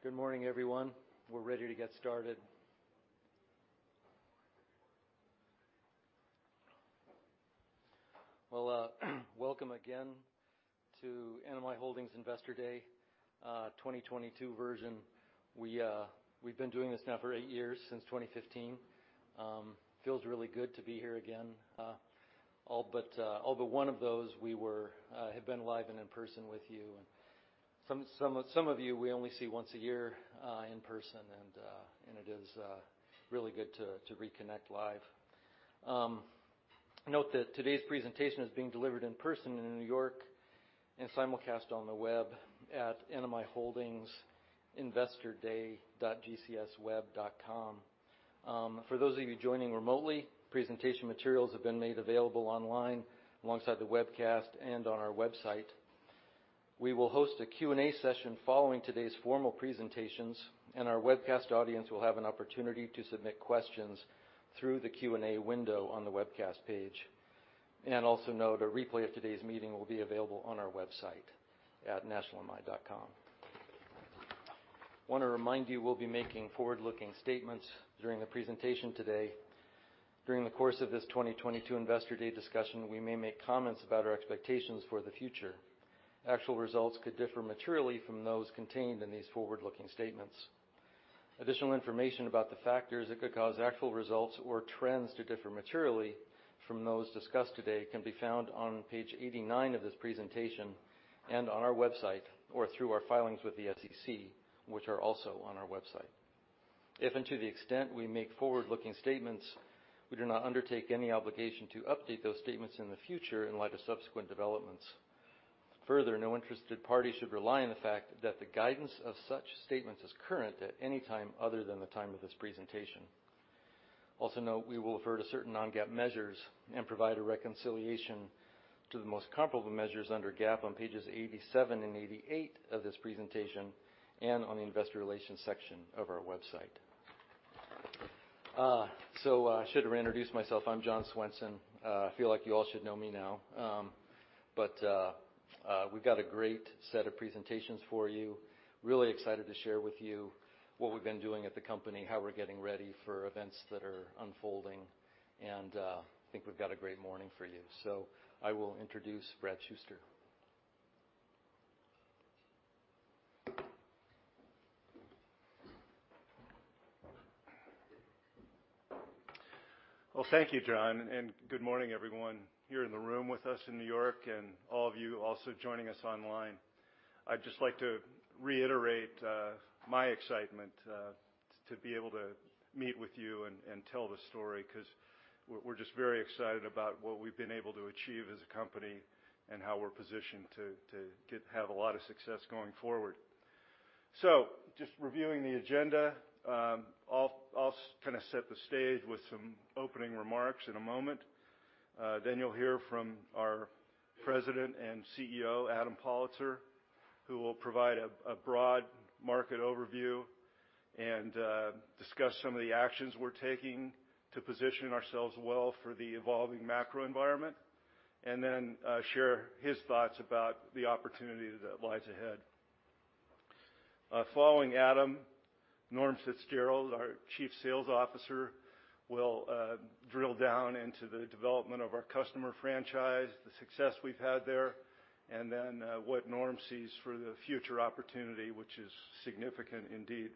Good morning, everyone. We're ready to get started. Well, welcome again to NMI Holdings Investor Day 2022 version. We've been doing this now for eight years, since 2015. Feels really good to be here again. All but one of those we have been live and in person with you. Some of you we only see once a year in person, and it is really good to reconnect live. Note that today's presentation is being delivered in person in New York and simulcast on the web at nmiholdingsinvestorday.gcs-web.com. For those of you joining remotely, presentation materials have been made available online alongside the webcast and on our website. We will host a Q&A session following today's formal presentations, and our webcast audience will have an opportunity to submit questions through the Q&A window on the webcast page. Also note a replay of today's meeting will be available on our website at nationalmi.com. Want to remind you, we'll be making forward-looking statements during the presentation today. During the course of this 2022 Investor Day discussion, we may make comments about our expectations for the future. Actual results could differ materially from those contained in these forward-looking statements. Additional information about the factors that could cause actual results or trends to differ materially from those discussed today can be found on page 89 of this presentation and on our website or through our filings with the SEC, which are also on our website. If and to the extent we make forward-looking statements, we do not undertake any obligation to update those statements in the future in light of subsequent developments. Further, no interested party should rely on the fact that the guidance of such statements is current at any time other than the time of this presentation. Also note we will refer to certain non-GAAP measures and provide a reconciliation to the most comparable measures under GAAP on pages 87 and 88 of this presentation and on the Investor Relations section of our website. I should reintroduce myself. I'm John Swenson. I feel like you all should know me now. We've got a great set of presentations for you. Really excited to share with you what we've been doing at the company, how we're getting ready for events that are unfolding, and I think we've got a great morning for you. I will introduce Brad Shuster. Well, thank you, John, and good morning everyone here in the room with us in New York and all of you also joining us online. I'd just like to reiterate my excitement to be able to meet with you and tell the story 'cause we're just very excited about what we've been able to achieve as a company and how we're positioned to have a lot of success going forward. Just reviewing the agenda, I'll kind of set the stage with some opening remarks in a moment. You'll hear from our President and CEO, Adam Pollitzer, who will provide a broad market overview and discuss some of the actions we're taking to position ourselves well for the evolving macro environment, and then share his thoughts about the opportunity that lies ahead. Following Adam, Norm Fitzgerald, our Chief Sales Officer, will drill down into the development of our customer franchise, the success we've had there, and then what Norm sees for the future opportunity, which is significant indeed.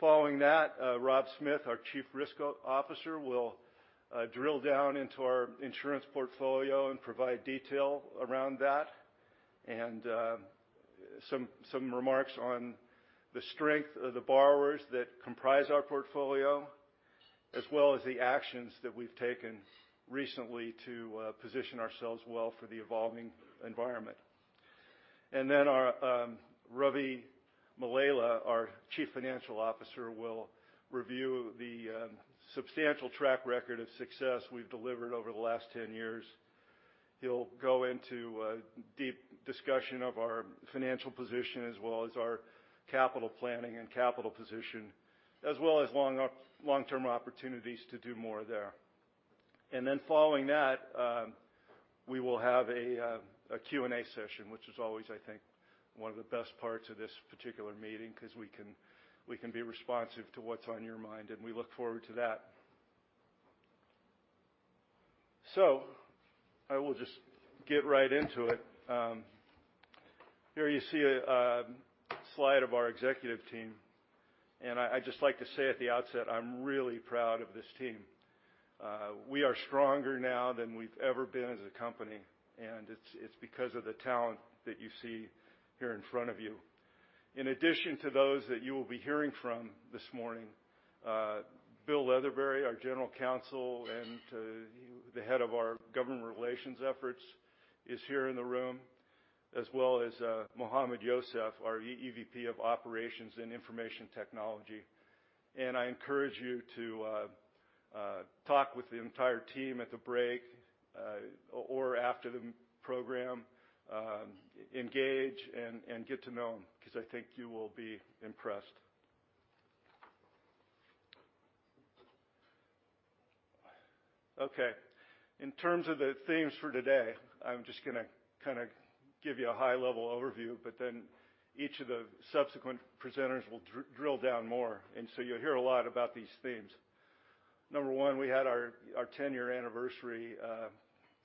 Following that, Rob Smith, our Chief Risk Officer, will drill down into our insurance portfolio and provide detail around that and some remarks on the strength of the borrowers that comprise our portfolio, as well as the actions that we've taken recently to position ourselves well for the evolving environment. Ravi Mallela, our Chief Financial Officer, will review the substantial track record of success we've delivered over the last 10 years. He'll go into a deep discussion of our financial position as well as our capital planning and capital position, as well as long-term opportunities to do more there. Following that, we will have a Q&A session, which is always, I think, one of the best parts of this particular meeting 'cause we can be responsive to what's on your mind, and we look forward to that. I will just get right into it. Here you see a slide of our executive team. I'd just like to say at the outset, I'm really proud of this team. We are stronger now than we've ever been as a company, and it's because of the talent that you see here in front of you. In addition to those that you will be hearing from this morning, Bill Leatherberry, our General Counsel and the Head of our Government Relations efforts, is here in the room, as well as Mohammad Yousaf, our EVP of Operations and Information Technology. I encourage you to talk with the entire team at the break or after the program, engage and get to know them 'cause I think you will be impressed. Okay. In terms of the themes for today, I'm just gonna kinda give you a high-level overview, but then each of the subsequent presenters will drill down more, and so you'll hear a lot about these themes. Number one, we had our 10 year anniversary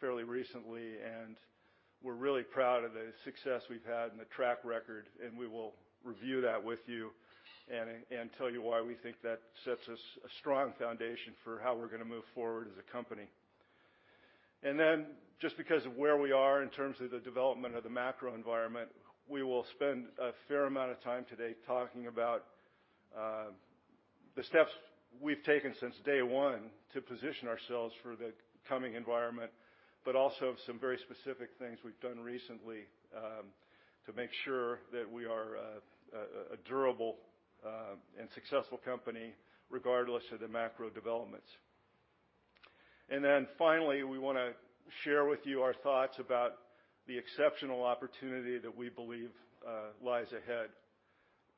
fairly recently, and we're really proud of the success we've had and the track record, and we will review that with you and tell you why we think that sets us a strong foundation for how we're gonna move forward as a company. Just because of where we are in terms of the development of the macro environment, we will spend a fair amount of time today talking about the steps we've taken since day one to position ourselves for the coming environment. Also of some very specific things we've done recently to make sure that we are a durable and successful company, regardless of the macro developments. Finally, we wanna share with you our thoughts about the exceptional opportunity that we believe lies ahead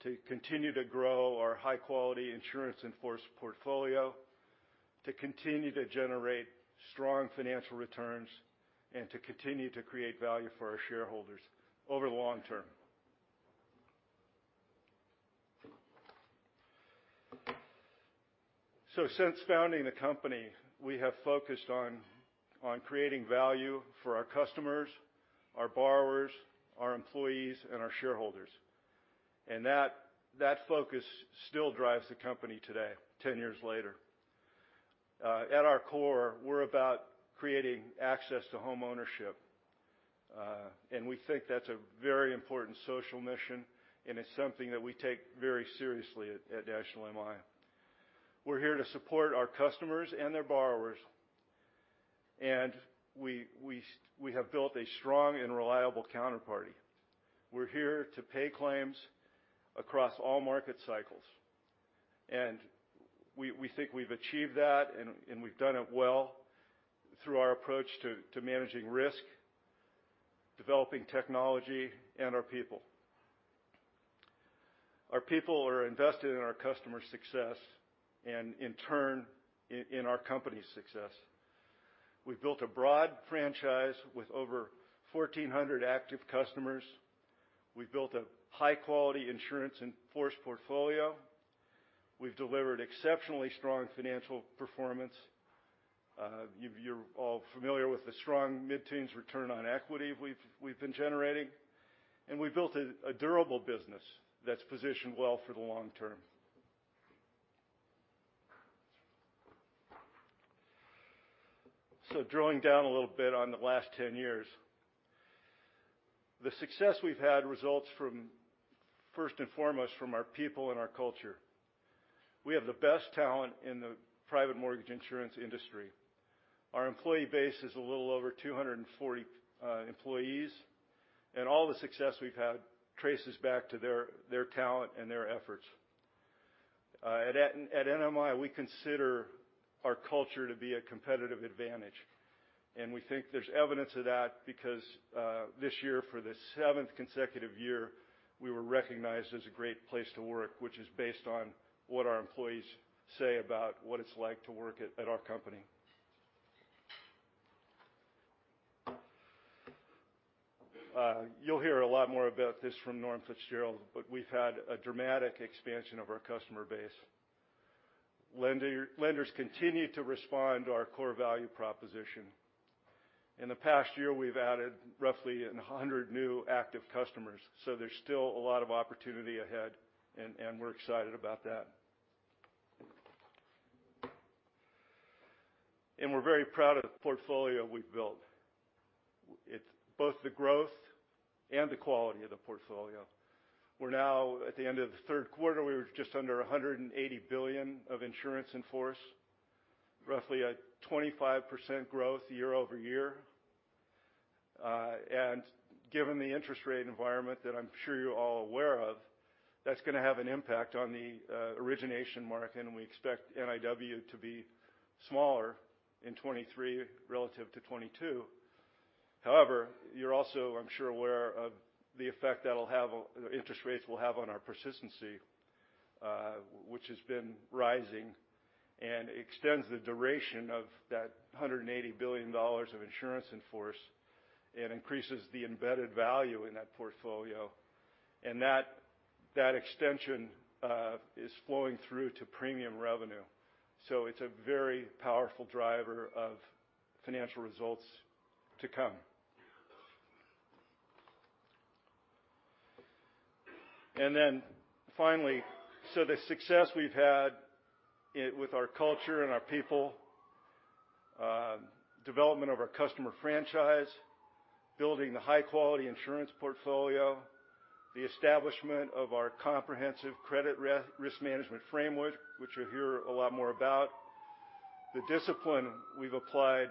to continue to grow our high-quality insurance in force portfolio, to continue to generate strong financial returns, and to continue to create value for our shareholders over long term. Since founding the company, we have focused on creating value for our customers, our borrowers, our employees, and our shareholders. That focus still drives the company today, 10 years later. At our core, we're about creating access to homeownership, and we think that's a very important social mission, and it's something that we take very seriously at National MI. We're here to support our customers and their borrowers, and we have built a strong and reliable counterparty. We're here to pay claims across all market cycles, and we think we've achieved that and we've done it well through our approach to managing risk, developing technology, and our people. Our people are invested in our customers' success and in turn, in our company's success. We've built a broad franchise with over 1,400 active customers. We've built a high-quality insurance in force portfolio. We've delivered exceptionally strong financial performance. You're all familiar with the strong mid-teens return on equity we've been generating. We've built a durable business that's positioned well for the long term. Drilling down a little bit on the last 10 years, the success we've had results from, first and foremost, from our people and our culture. We have the best talent in the private mortgage insurance industry. Our employee base is a little over 240 employees, and all the success we've had traces back to their talent and their efforts. At NMI, we consider our culture to be a competitive advantage, and we think there's evidence of that because this year, for the seventh consecutive year, we were recognized as a Great Place to Work, which is based on what our employees say about what it's like to work at our company. You'll hear a lot more about this from Norm Fitzgerald, but we've had a dramatic expansion of our customer base. Lenders continue to respond to our core value proposition. In the past year, we've added roughly 100 new active customers, so there's still a lot of opportunity ahead and we're excited about that. We're very proud of the portfolio we've built. It's both the growth and the quality of the portfolio. We're now at the end of the third quarter. We were just under $180 billion of insurance in force, roughly a 25% growth year-over-year. Given the interest rate environment that I'm sure you're all aware of, that's gonna have an impact on the origination market, and we expect NIW to be smaller in 2023 relative to 2022. However, you're also, I'm sure, aware of the effect that interest rates will have on our persistency, which has been rising and extends the duration of that $180 billion of insurance in force and increases the embedded value in that portfolio. That extension is flowing through to premium revenue. It's a very powerful driver of financial results to come. Finally, the success we've had with our culture and our people, development of our customer franchise, building the high-quality insurance portfolio, the establishment of our comprehensive credit risk management framework, which you'll hear a lot more about, the discipline we've applied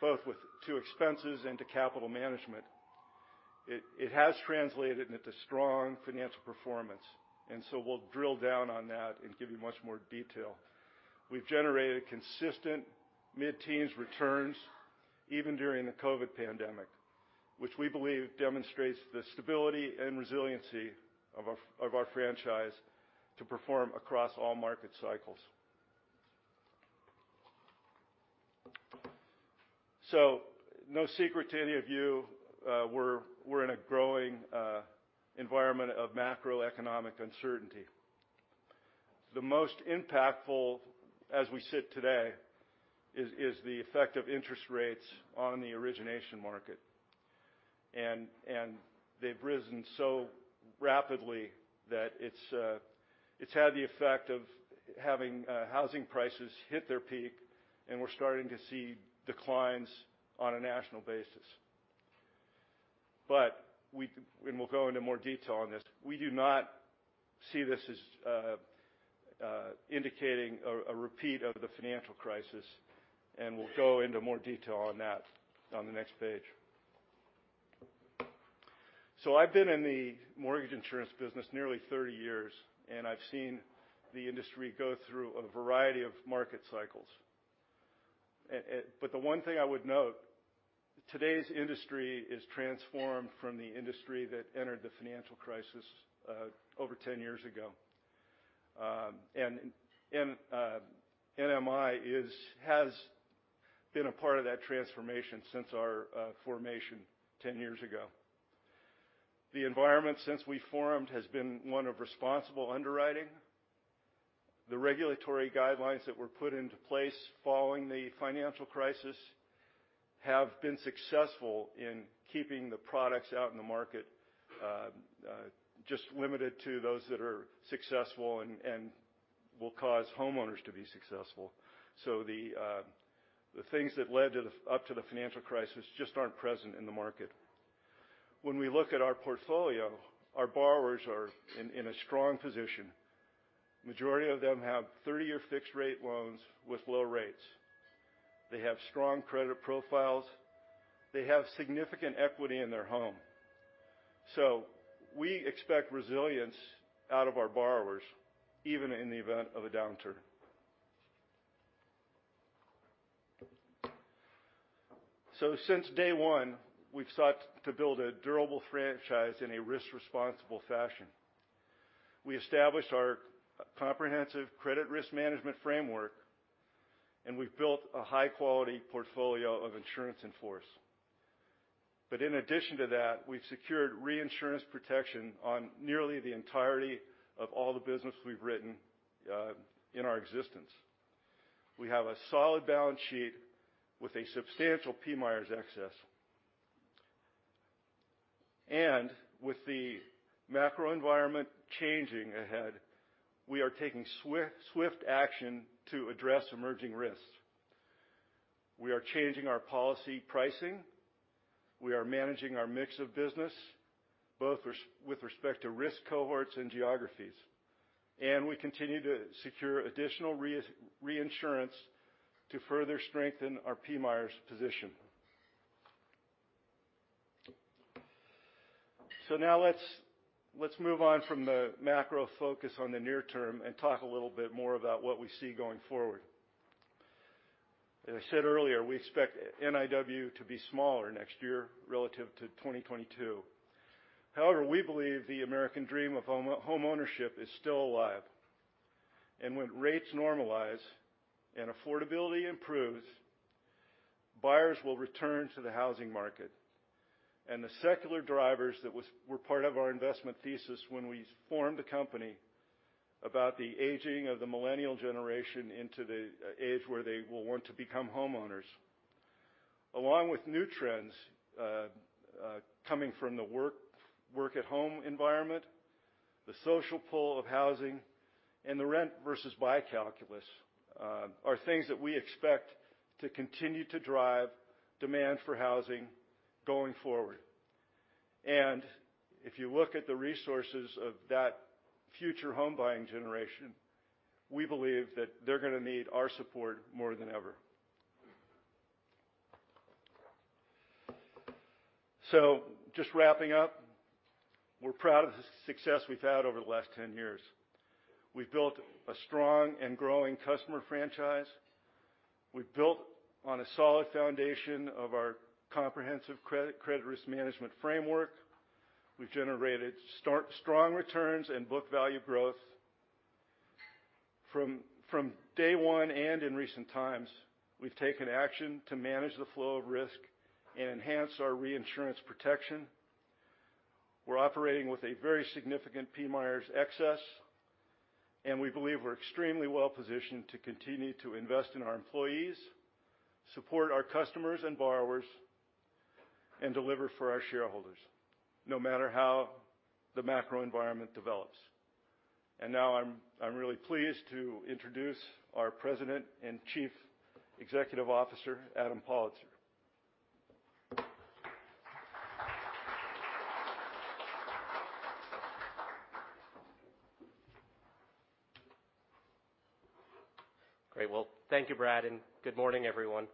both to expenses and to capital management, it has translated into strong financial performance, and so we'll drill down on that and give you much more detail. We've generated consistent mid-teens returns even during the COVID pandemic, which we believe demonstrates the stability and resiliency of our franchise to perform across all market cycles. No secret to any of you, we're in a growing environment of macroeconomic uncertainty. The most impactful as we sit today is the effect of interest rates on the origination market. And, and they've risen so rapidly that it's, uh, it's had the effect of having, uh, housing prices hit their peak, and we're starting to see declines on a national basis. But we'll go into more detail on this, we do not see this as, uh, indicating a repeat of the financial crisis, and we'll go into more detail on that on the next page. So I've been in the mortgage insurance business nearly thirty years, and I've seen the industry go through a variety of market cycles. Uh, uh, but the one thing I would note, today's industry is transformed from the industry that entered the financial crisis, uh, over 10 years ago. Um, and, uh, NMI is, has been a part of that transformation since our, uh, formation ten years ago. The environment since we formed has been one of responsible underwriting. The regulatory guidelines that were put into place following the financial crisis have been successful in keeping the products out in the market just limited to those that are successful and will cause homeowners to be successful. The things that led up to the financial crisis just aren't present in the market. When we look at our portfolio, our borrowers are in a strong position. Majority of them have 30 year fixed rate loans with low rates. They have strong credit profiles. They have significant equity in their home. We expect resilience out of our borrowers, even in the event of a downturn. Since day one, we've sought to build a durable franchise in a risk-responsible fashion. We established our comprehensive credit risk management framework, and we've built a high-quality portfolio of insurance in force. In addition to that, we've secured reinsurance protection on nearly the entirety of all the business we've written in our existence. We have a solid balance sheet with a substantial PMIERs excess. With the macro environment changing ahead, we are taking swift action to address emerging risks. We are changing our policy pricing, we are managing our mix of business, both with respect to risk cohorts and geographies, and we continue to secure additional reinsurance to further strengthen our PMIERs position. Now let's move on from the macro focus on the near term and talk a little bit more about what we see going forward. As I said earlier, we expect NIW to be smaller next year relative to 2022. However, we believe the American dream of homeownership is still alive. When rates normalize and affordability improves, buyers will return to the housing market. The secular drivers that were part of our investment thesis when we formed the company about the aging of the millennial generation into the age where they will want to become homeowners, along with new trends coming from the work at home environment, the social pull of housing, and the rent versus buy calculus, are things that we expect to continue to drive demand for housing going forward. If you look at the resources of that future home buying generation, we believe that they're gonna need our support more than ever. Just wrapping up, we're proud of the success we've had over the last 10 years. We've built a strong and growing customer franchise. We've built on a solid foundation of our comprehensive credit risk management framework. We've generated strong returns and book value growth. From, from day one and in recent times, we've taken action to manage the flow of risk and enhance our reinsurance protection. We're operating with a very significant PMIERs excess, and we believe we're extremely well-positioned to continue to invest in our employees, support our customers and borrowers, and deliver for our shareholders, no matter how the macro environment develops. And now I'm really pleased to introduce our President and Chief Executive Officer, Adam Pollitzer. Great. Well, thank you, Brad, and good morning, everyone.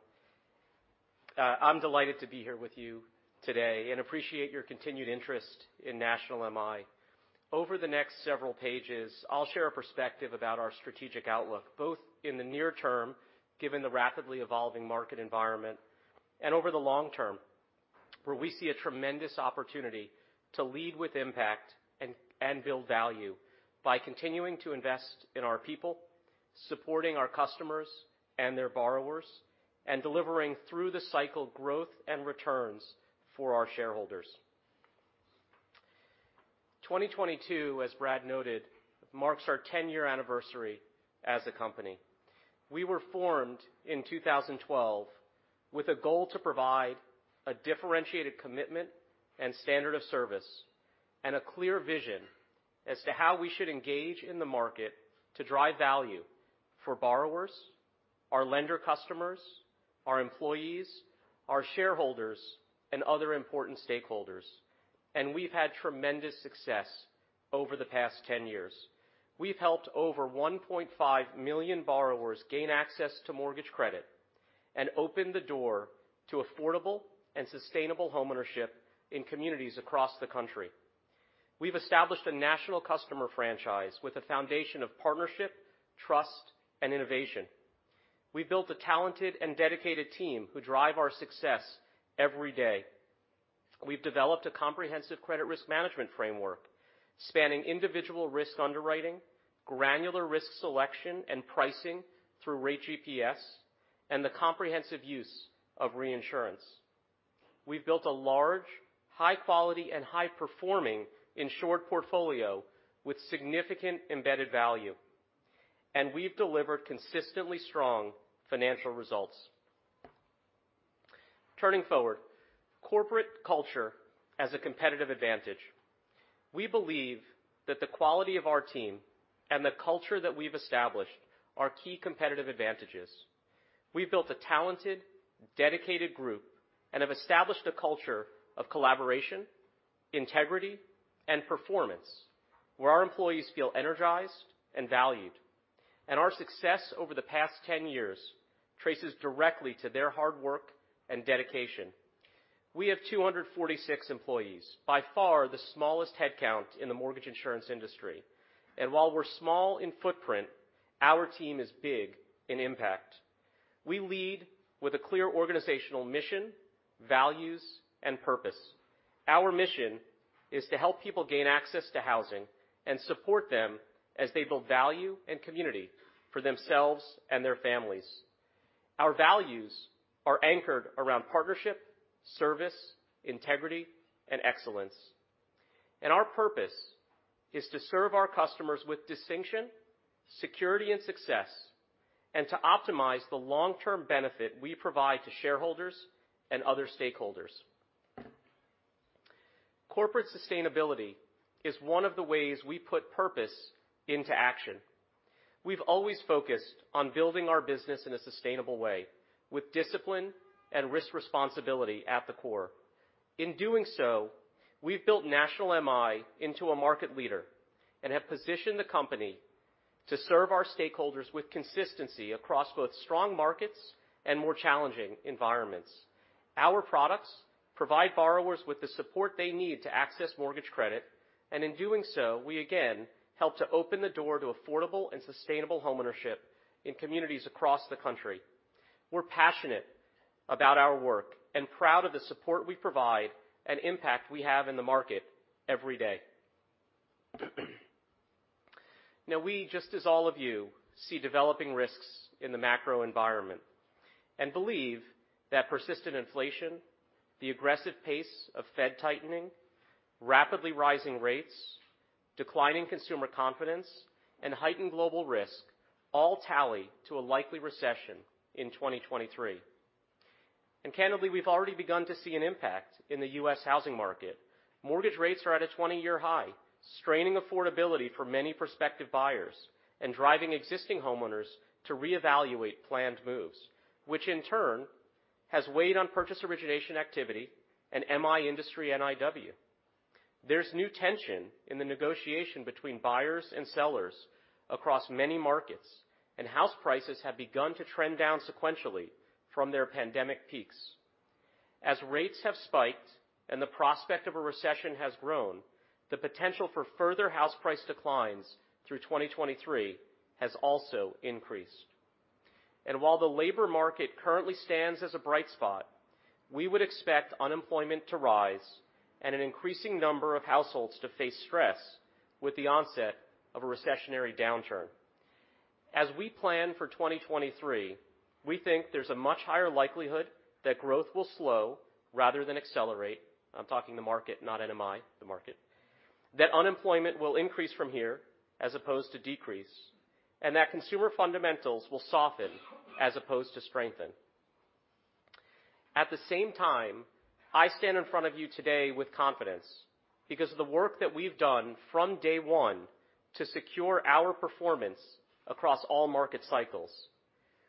I'm delighted to be here with you today and appreciate your continued interest in National MI. Over the next several pages, I'll share a perspective about our strategic outlook, both in the near term, given the rapidly evolving market environment, and over the long term, where we see a tremendous opportunity to lead with impact and build value by continuing to invest in our people, supporting our customers and their borrowers, and delivering through the cycle growth and returns for our shareholders. 2022, as Brad noted, marks our 10 year anniversary as a company. We were formed in 2012 with a goal to provide a differentiated commitment and standard of service, and a clear vision as to how we should engage in the market to drive value for borrowers, our lender customers, our employees, our shareholders, and other important stakeholders. We've had tremendous success over the past 10 years. We've helped over 1.5 million borrowers gain access to mortgage credit and opened the door to affordable and sustainable homeownership in communities across the country. We've established a national customer franchise with a foundation of partnership, trust, and innovation. We've built a talented and dedicated team who drive our success every day. We've developed a comprehensive credit risk management framework spanning individual risk underwriting, granular risk selection, and pricing through Rate GPS, and the comprehensive use of reinsurance. We've built a large, high-quality, and high-performing insured portfolio with significant embedded value. We've delivered consistently strong financial results. Turning forward, corporate culture as a competitive advantage. We believe that the quality of our team and the culture that we've established are key competitive advantages. We've built a talented, dedicated group and have established a culture of collaboration, integrity, and performance where our employees feel energized and valued. Our success over the past 10 years traces directly to their hard work and dedication. We have 246 employees, by far the smallest headcount in the mortgage insurance industry. While we're small in footprint, our team is big in impact. We lead with a clear organizational mission, values, and purpose. Our mission is to help people gain access to housing and support them as they build value and community for themselves and their families. Our values are anchored around partnership, service, integrity, and excellence. Our purpose is to serve our customers with distinction, security, and success, and to optimize the long-term benefit we provide to shareholders and other stakeholders. Corporate sustainability is one of the ways we put purpose into action. We've always focused on building our business in a sustainable way, with discipline and risk responsibility at the core. In doing so, we've built National MI into a market leader and have positioned the company to serve our stakeholders with consistency across both strong markets and more challenging environments. Our products provide borrowers with the support they need to access mortgage credit, and in doing so, we again help to open the door to affordable and sustainable homeownership in communities across the country. We're passionate about our work and proud of the support we provide and impact we have in the market every day. Now we, just as all of you, see developing risks in the macro environment and believe that persistent inflation, the aggressive pace of Fed tightening, rapidly rising rates, declining consumer confidence, and heightened global risk all tally to a likely recession in 2023. Candidly, we've already begun to see an impact in the U.S. housing market. Mortgage rates are at a 20 year high, straining affordability for many prospective buyers and driving existing homeowners to reevaluate planned moves, which in turn has weighed on purchase origination activity and M.I. industry NIW. There's new tension in the negotiation between buyers and sellers across many markets, and house prices have begun to trend down sequentially from their pandemic peaks. As rates have spiked and the prospect of a recession has grown, the potential for further house price declines through 2023 has also increased. While the labor market currently stands as a bright spot, we would expect unemployment to rise and an increasing number of households to face stress with the onset of a recessionary downturn. As we plan for 2023, we think there's a much higher likelihood that growth will slow rather than accelerate. I'm talking the market, not NMI, the market. That unemployment will increase from here as opposed to decrease, and that consumer fundamentals will soften as opposed to strengthen. At the same time, I stand in front of you today with confidence because of the work that we've done from day one to secure our performance across all market cycles.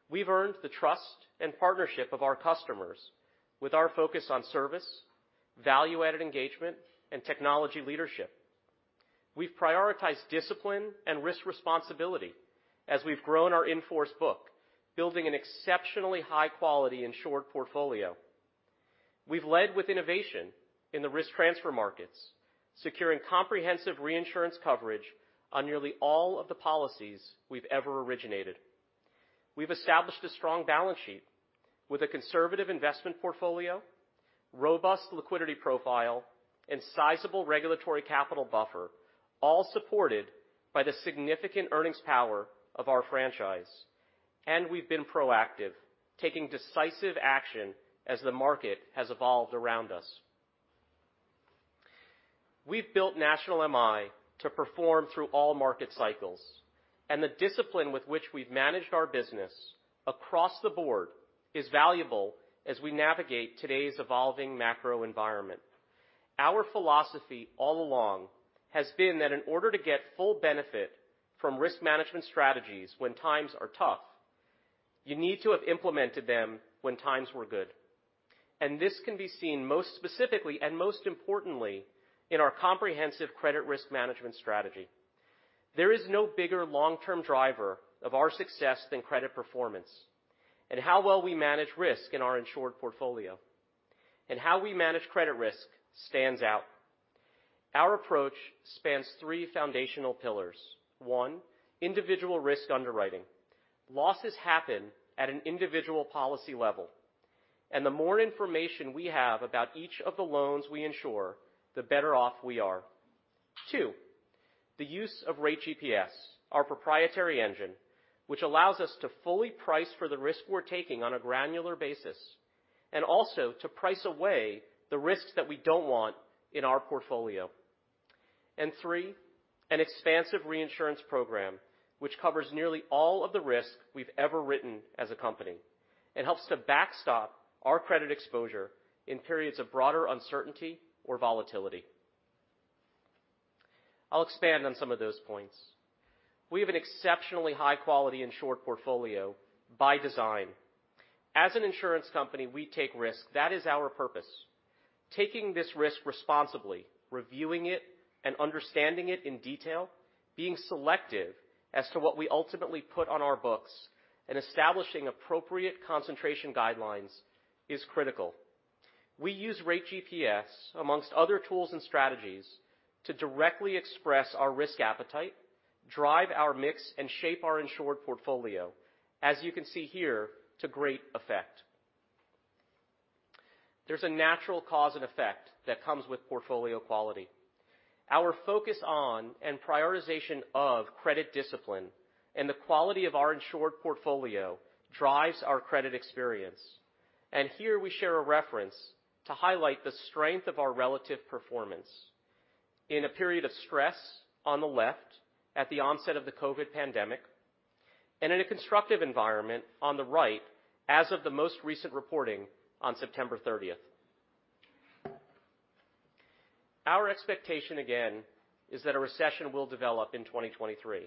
We've earned the trust and partnership of our customers with our focus on service, value-added engagement, and technology leadership. We've prioritized discipline and risk responsibility as we've grown our in-force book, building an exceptionally high-quality insured portfolio. We've led with innovation in the risk transfer markets, securing comprehensive reinsurance coverage on nearly all of the policies we've ever originated. We've established a strong balance sheet with a conservative investment portfolio, robust liquidity profile, and sizable regulatory capital buffer, all supported by the significant earnings power of our franchise. We've been proactive, taking decisive action as the market has evolved around us. We've built National MI to perform through all market cycles, and the discipline with which we've managed our business across the board is valuable as we navigate today's evolving macro environment. Our philosophy all along has been that in order to get full benefit from risk management strategies when times are tough, you need to have implemented them when times were good. This can be seen most specifically and most importantly in our comprehensive credit risk management strategy. There is no bigger long-term driver of our success than credit performance and how well we manage risk in our insured portfolio. How we manage credit risk stands out. Our approach spans three foundational pillars. One, individual risk underwriting. Losses happen at an individual policy level, and the more information we have about each of the loans we insure, the better off we are. Two, the use of Rate GPS, our proprietary engine, which allows us to fully price for the risk we're taking on a granular basis, and also to price away the risks that we don't want in our portfolio. Three, an expansive reinsurance program which covers nearly all of the risk we've ever written as a company and helps to backstop our credit exposure in periods of broader uncertainty or volatility. I'll expand on some of those points. We have an exceptionally high-quality insured portfolio by design. As an insurance company, we take risks. That is our purpose. Taking this risk responsibly, reviewing it, and understanding it in detail, being selective as to what we ultimately put on our books, and establishing appropriate concentration guidelines is critical. We use Rate GPS amongst other tools and strategies to directly express our risk appetite, drive our mix, and shape our insured portfolio, as you can see here, to great effect. There's a natural cause and effect that comes with portfolio quality. Our focus on and prioritization of credit discipline and the quality of our insured portfolio drives our credit experience. Here we share a reference to highlight the strength of our relative performance in a period of stress on the left at the onset of the COVID pandemic, and in a constructive environment on the right as of the most recent reporting on September 30th. Our expectation, again, is that a recession will develop in 2023.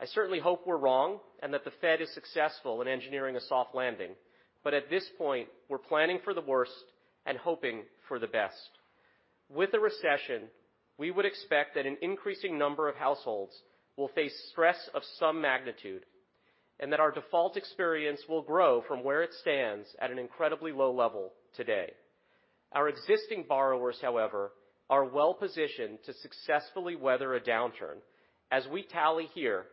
I certainly hope we're wrong and that the Fed is successful in engineering a soft landing. At this point, we're planning for the worst and hoping for the best. With a recession, we would expect that an increasing number of households will face stress of some magnitude and that our default experience will grow from where it stands at an incredibly low level today. Our existing borrowers, however, are well-positioned to successfully weather a downturn. As we tally here,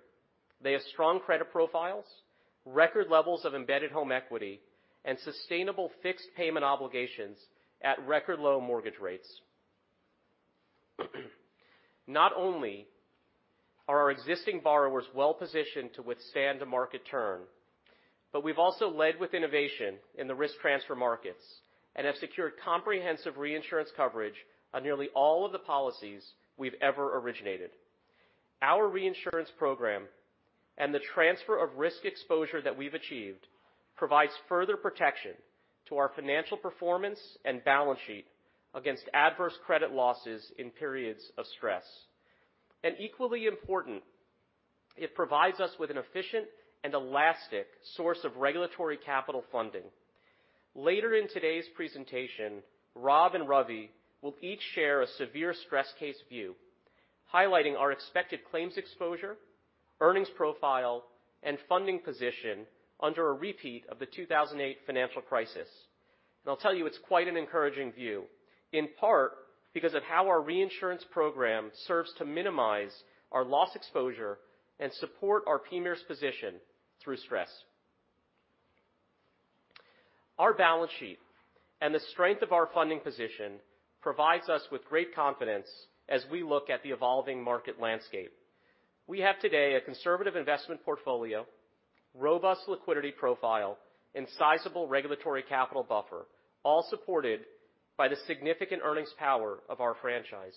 they have strong credit profiles, record levels of embedded home equity, and sustainable fixed payment obligations at record low mortgage rates. Not only are our existing borrowers well-positioned to withstand a market turn, but we've also led with innovation in the risk transfer markets and have secured comprehensive reinsurance coverage on nearly all of the policies we've ever originated. Our reinsurance program and the transfer of risk exposure that we've achieved provides further protection to our financial performance and balance sheet against adverse credit losses in periods of stress. Equally important, it provides us with an efficient and elastic source of regulatory capital funding. Later in today's presentation, Rob and Ravi will each share a severe stress case view, highlighting our expected claims exposure, earnings profile, and funding position under a repeat of the 2008 financial crisis. I'll tell you, it's quite an encouraging view, in part because of how our reinsurance program serves to minimize our loss exposure and support our PMIERs position through stress. Our balance sheet and the strength of our funding position provides us with great confidence as we look at the evolving market landscape. We have today a conservative investment portfolio, robust liquidity profile, and sizable regulatory capital buffer, all supported by the significant earnings power of our franchise.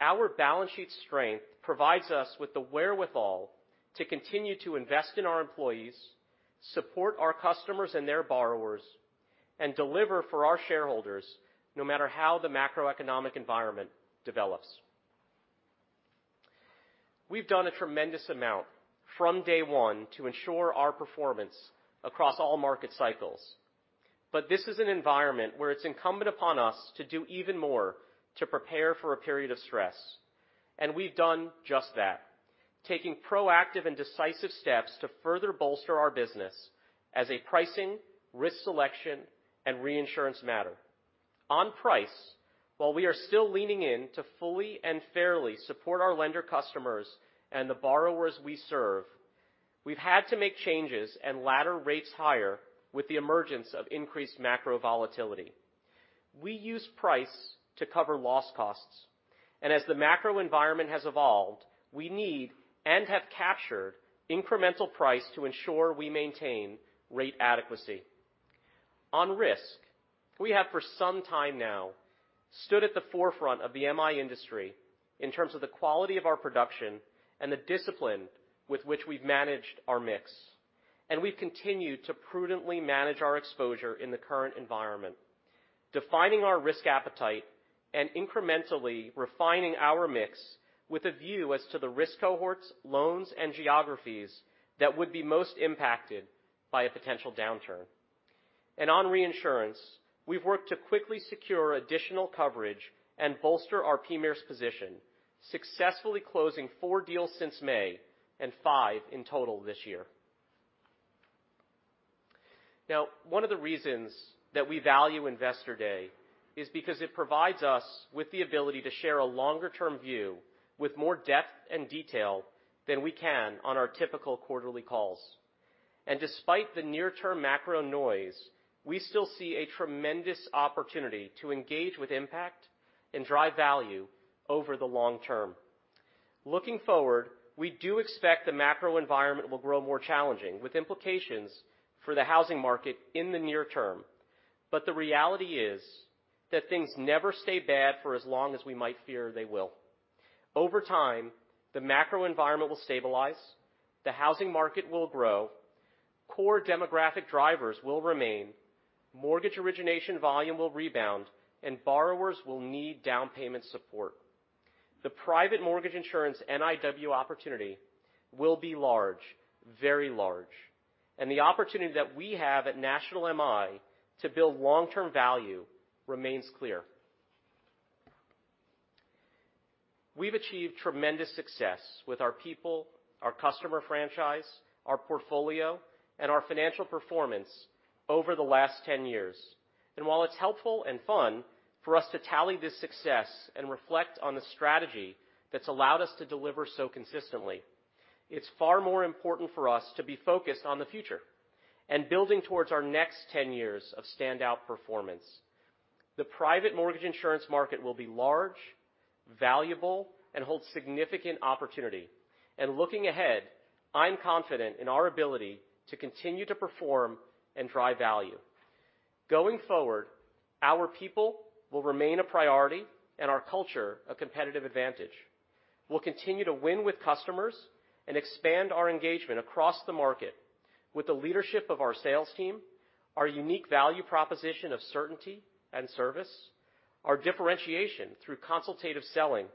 Our balance sheet strength provides us with the wherewithal to continue to invest in our employees, support our customers and their borrowers, and deliver for our shareholders no matter how the macroeconomic environment develops. We've done a tremendous amount from day one to ensure our performance across all market cycles. This is an environment where it's incumbent upon us to do even more to prepare for a period of stress, and we've done just that, taking proactive and decisive steps to further bolster our business as a pricing, risk selection, and reinsurance matter. On price, while we are still leaning in to fully and fairly support our lender customers and the borrowers we serve, we've had to make changes and ladder rates higher with the emergence of increased macro volatility. We use price to cover loss costs, and as the macro environment has evolved, we need and have captured incremental price to ensure we maintain rate adequacy. On risk, we have for some time now stood at the forefront of the M.I. industry in terms of the quality of our production and the discipline with which we've managed our mix, and we've continued to prudently manage our exposure in the current environment, defining our risk appetite and incrementally refining our mix with a view as to the risk cohorts, loans, and geographies that would be most impacted by a potential downturn. On reinsurance, we've worked to quickly secure additional coverage and bolster our PMIERs position, successfully closing four deals since May and five in total this year. Now, one of the reasons that we value Investor Day is because it provides us with the ability to share a longer-term view with more depth and detail than we can on our typical quarterly calls. Despite the near-term macro noise, we still see a tremendous opportunity to engage with impact and drive value over the long term. Looking forward, we do expect the macro environment will grow more challenging, with implications for the housing market in the near term. The reality is that things never stay bad for as long as we might fear they will. Over time, the macro environment will stabilize, the housing market will grow, core demographic drivers will remain, mortgage origination volume will rebound, and borrowers will need down payment support. The private mortgage insurance NIW opportunity will be large, very large, and the opportunity that we have at National MI to build long-term value remains clear. We've achieved tremendous success with our people, our customer franchise, our portfolio, and our financial performance over the last 10 years. While it's helpful and fun for us to tally this success and reflect on the strategy that's allowed us to deliver so consistently, it's far more important for us to be focused on the future and building towards our next 10 years of standout performance. The private mortgage insurance market will be large, valuable, and hold significant opportunity. Looking ahead, I'm confident in our ability to continue to perform and drive value. Going forward, our people will remain a priority and our culture a competitive advantage. We'll continue to win with customers and expand our engagement across the market with the leadership of our sales team, our unique value proposition of certainty and service, our differentiation through consultative selling,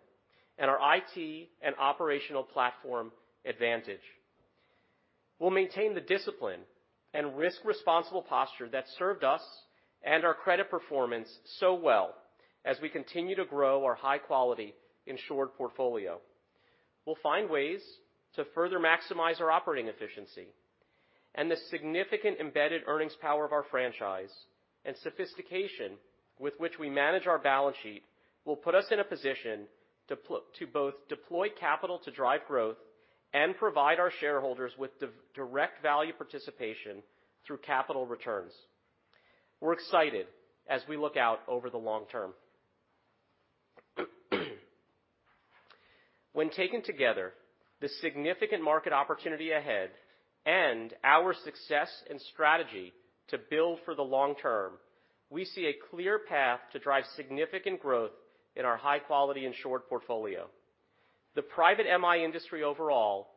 and our I.T. and operational platform advantage. We'll maintain the discipline and risk-responsible posture that's served us and our credit performance so well as we continue to grow our high-quality insured portfolio. We'll find ways to further maximize our operating efficiency, and the significant embedded earnings power of our franchise and sophistication with which we manage our balance sheet will put us in a position to both deploy capital to drive growth and provide our shareholders with direct value participation through capital returns. We're excited as we look out over the long term. When taken together, the significant market opportunity ahead and our success and strategy to build for the long term, we see a clear path to drive significant growth in our high-quality insured portfolio. The private MI industry overall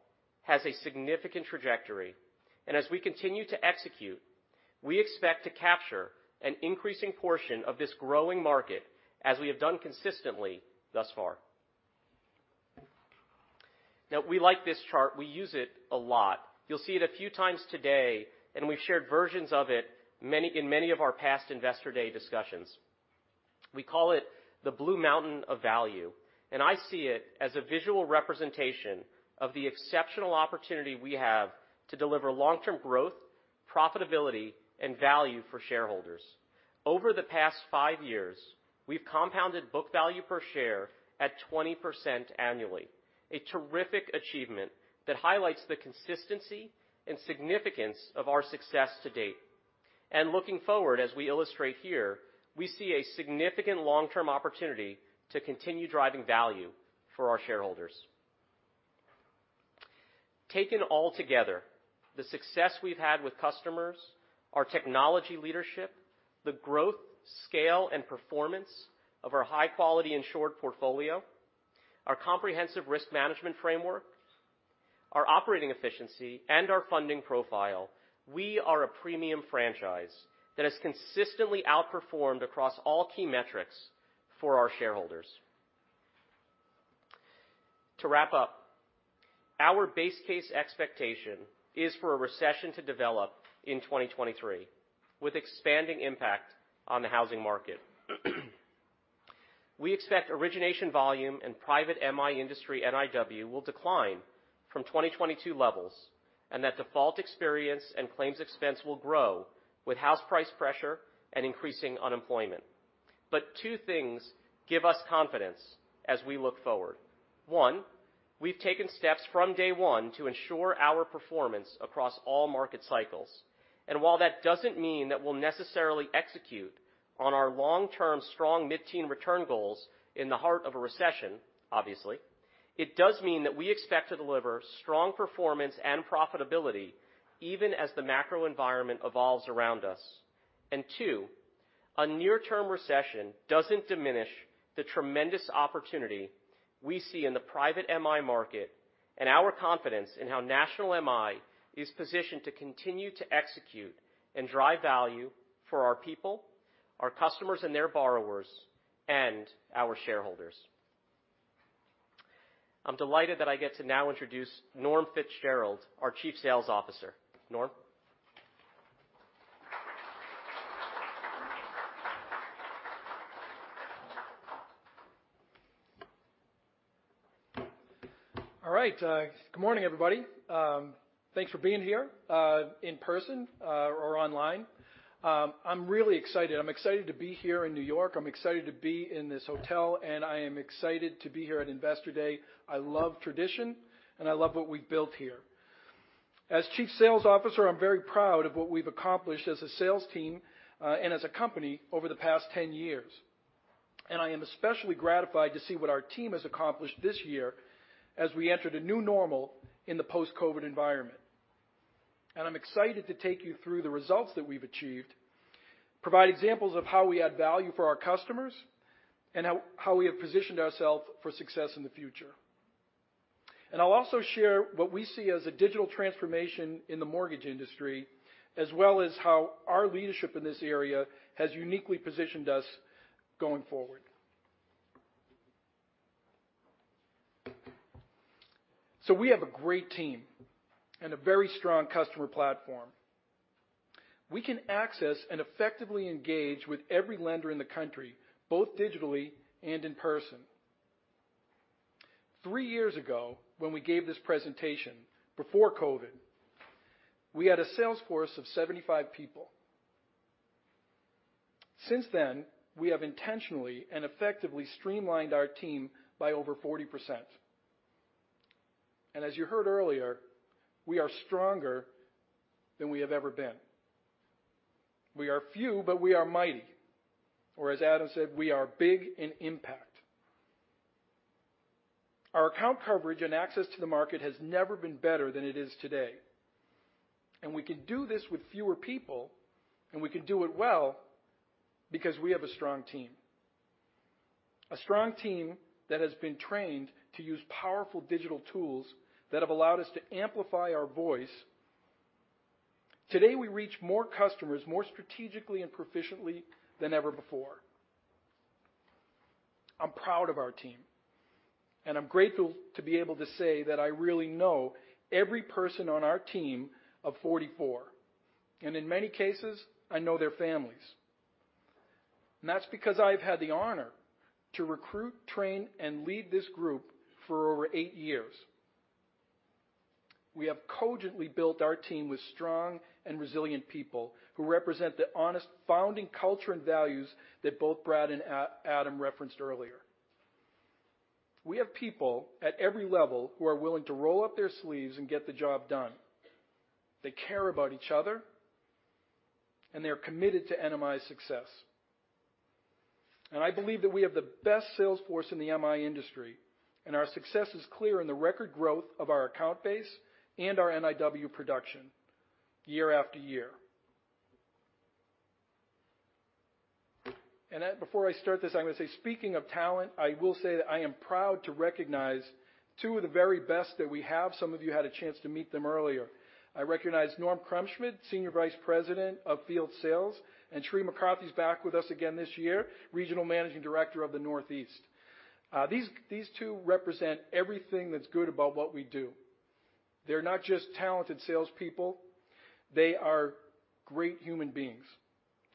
has a significant trajectory, and as we continue to execute, we expect to capture an increasing portion of this growing market as we have done consistently thus far. Now, we like this chart. We use it a lot. You'll see it a few times today, and we've shared versions of it in many of our past Investor Day discussions. We call it the Blue Mountain of Value, and I see it as a visual representation of the exceptional opportunity we have to deliver long-term growth, profitability, and value for shareholders. Over the past five years, we've compounded book value per share at twenty percent annually, a terrific achievement that highlights the consistency and significance of our success to date. And looking forward, as we illustrate here, we see a significant long-term opportunity to continue driving value for our shareholders. Taken all together, the success we've had with customers, our technology leadership, the growth, scale, and performance of our high-quality insured portfolio, our comprehensive risk management framework, our operating efficiency, and our funding profile, we are a premium franchise that has consistently outperformed across all key metrics for our shareholders. To wrap up, our base case expectation is for a recession to develop in 2023 with expanding impact on the housing market. We expect origination volume in private MI industry NIW will decline from 2022 levels, and that default experience and claims expense will grow with house price pressure and increasing unemployment. Two things give us confidence as we look forward. One, we've taken steps from day one to ensure our performance across all market cycles. While that doesn't mean that we'll necessarily execute on our long-term strong mid-teen return goals in the heart of a recession, obviously, it does mean that we expect to deliver strong performance and profitability even as the macro environment evolves around us. Two, a near-term recession doesn't diminish the tremendous opportunity we see in the private MI market and our confidence in how National MI is positioned to continue to execute and drive value for our people, our customers, and their borrowers, and our shareholders. I'm delighted that I get to now introduce Norm Fitzgerald, our Chief Sales Officer. Norm. All right. Good morning, everybody. Thanks for being here in person or online. I'm really excited. I'm excited to be here in New York. I'm excited to be in this hotel, and I am excited to be here at Investor Day. I love tradition, and I love what we've built here. As Chief Sales Officer, I'm very proud of what we've accomplished as a sales team and as a company over the past 10 years. I am especially gratified to see what our team has accomplished this year as we entered a new normal in the post-COVID environment. I'm excited to take you through the results that we've achieved, provide examples of how we add value for our customers, and how we have positioned ourselves for success in the future. I'll also share what we see as a digital transformation in the mortgage industry, as well as how our leadership in this area has uniquely positioned us going forward. We have a great team and a very strong customer platform. We can access and effectively engage with every lender in the country, both digitally and in person. Three years ago, when we gave this presentation before COVID, we had a sales force of 75 people. Since then, we have intentionally and effectively streamlined our team by over 40%. As you heard earlier, we are stronger than we have ever been. We are few, but we are mighty. As Adam said, we are big in impact. Our account coverage and access to the market has never been better than it is today. We can do this with fewer people, and we can do it well because we have a strong team. A strong team that has been trained to use powerful digital tools that have allowed us to amplify our voice. Today, we reach more customers more strategically and proficiently than ever before. I'm proud of our team, and I'm grateful to be able to say that I really know every person on our team of 44. In many cases, I know their families. That's because I've had the honor to recruit, train, and lead this group for over eight years. We have cogently built our team with strong and resilient people who represent the honest founding culture and values that both Brad and Adam referenced earlier. We have people at every level who are willing to roll up their sleeves and get the job done. They care about each other, and they're committed to NMI's success. I believe that we have the best sales force in the M.I. industry, and our success is clear in the record growth of our account base and our NIW production year after year. Before I start this, I'm gonna say, speaking of talent, I will say that I am proud to recognize two of the very best that we have. Some of you had a chance to meet them earlier. I recognize Norm Krumpschmid, Senior Vice President of Field Sales, and Cheri McCarthy's back with us again this year, Regional Managing Director of the Northeast. These two represent everything that's good about what we do. They're not just talented salespeople. They are great human beings,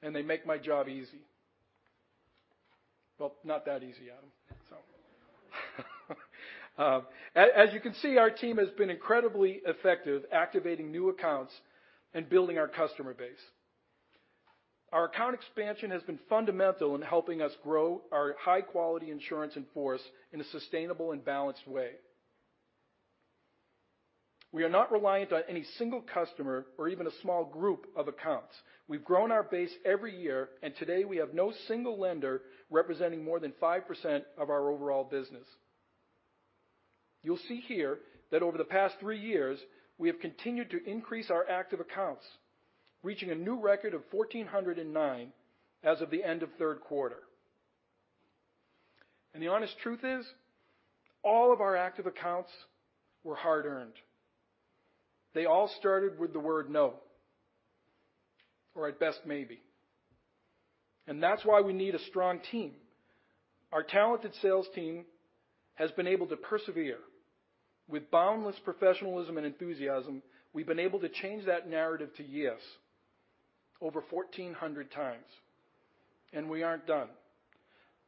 and they make my job easy. Well, not that easy, Adam. As you can see, our team has been incredibly effective activating new accounts and building our customer base. Our account expansion has been fundamental in helping us grow our high-quality insurance in force in a sustainable and balanced way. We are not reliant on any single customer or even a small group of accounts. We've grown our base every year, and today we have no single lender representing more than 5% of our overall business. You'll see here that over the past three years, we have continued to increase our active accounts, reaching a new record of 1,409 as of the end of third quarter. The honest truth is, all of our active accounts were hard-earned. They all started with the word no, or at best, maybe. That's why we need a strong team. Our talented sales team has been able to persevere. With boundless professionalism and enthusiasm, we've been able to change that narrative to yes. Over 1,400 times, and we aren't done.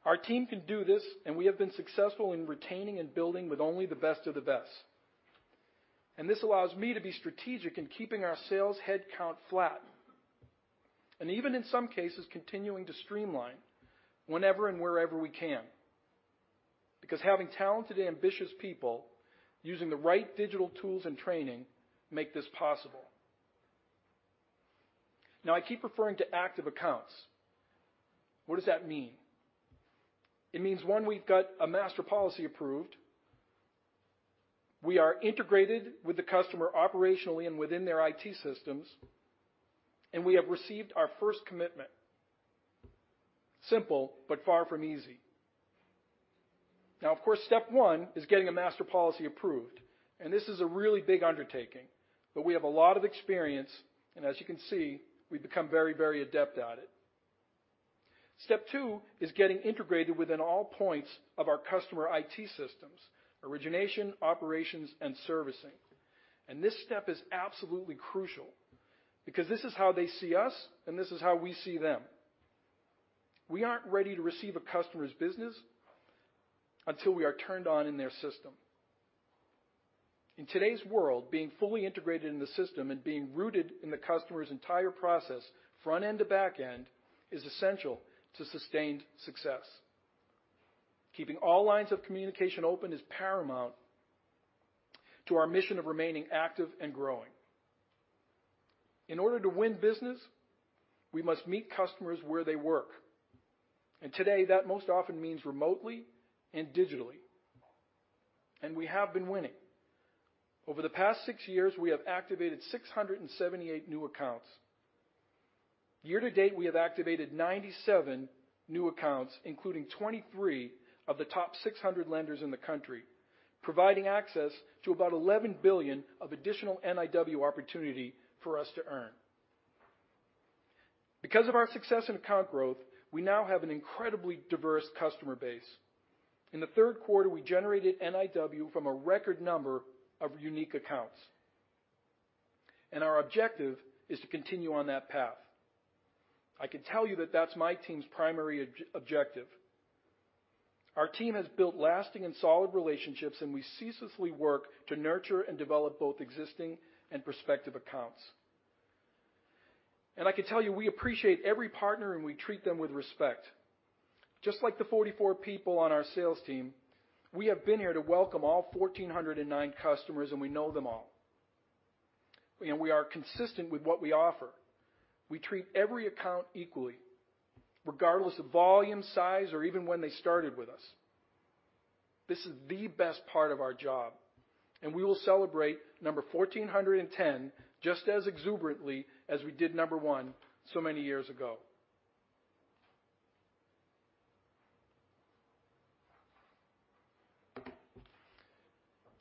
Our team can do this, and we have been successful in retaining and building with only the best of the best. This allows me to be strategic in keeping our sales headcount flat, and even in some cases, continuing to streamline whenever and wherever we can, because having talented and ambitious people using the right digital tools and training make this possible. Now, I keep referring to active accounts. What does that mean? It means one, we've got a master policy approved. We are integrated with the customer operationally and within their I.T. systems, and we have received our first commitment. Simple, but far from easy. Now, of course, step one is getting a master policy approved, and this is a really big undertaking, but we have a lot of experience, and as you can see, we've become very adept at it. Step two is getting integrated within all points of our customer I.T. systems, origination, operations, and servicing. This step is absolutely crucial because this is how they see us, and this is how we see them. We aren't ready to receive a customer's business until we are turned on in their system. In today's world, being fully integrated in the system and being rooted in the customer's entire process, front-end to back-end, is essential to sustained success. Keeping all lines of communication open is paramount to our mission of remaining active and growing. In order to win business, we must meet customers where they work. Today, that most often means remotely and digitally. We have been winning. Over the past six years, we have activated 678 new accounts. Year-to-date, we have activated 97 new accounts, including 23 of the top 600 lenders in the country, providing access to about $11 billion of additional NIW opportunity for us to earn. Because of our success in account growth, we now have an incredibly diverse customer base. In the third quarter, we generated NIW from a record number of unique accounts. Our objective is to continue on that path. I can tell you that that's my team's primary objective. Our team has built lasting and solid relationships, and we ceaselessly work to nurture and develop both existing and prospective accounts. I can tell you, we appreciate every partner, and we treat them with respect. Just like the 44 people on our sales team, we have been here to welcome all 1,409 customers, and we know them all. We are consistent with what we offer. We treat every account equally, regardless of volume, size, or even when they started with us. This is the best part of our job, and we will celebrate number 410 just as exuberantly as we did number one so many years ago.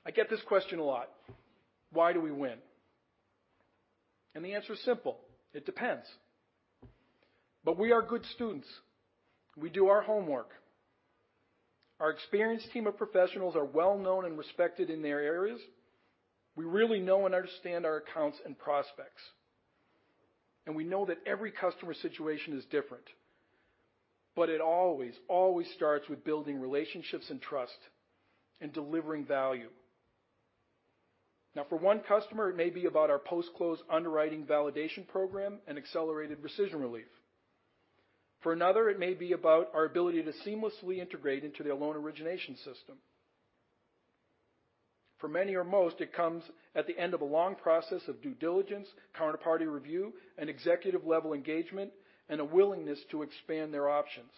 I get this question a lot. Why do we win? The answer is simple. It depends. We are good students. We do our homework. Our experienced team of professionals are well-known and respected in their areas. We really know and understand our accounts and prospects. We know that every customer situation is different. It always starts with building relationships and trust and delivering value. Now, for one customer, it may be about our post-close underwriting validation program and accelerated rescission relief. For another, it may be about our ability to seamlessly integrate into their loan origination system. For many or most, it comes at the end of a long process of due diligence, counterparty review, and executive-level engagement, and a willingness to expand their options.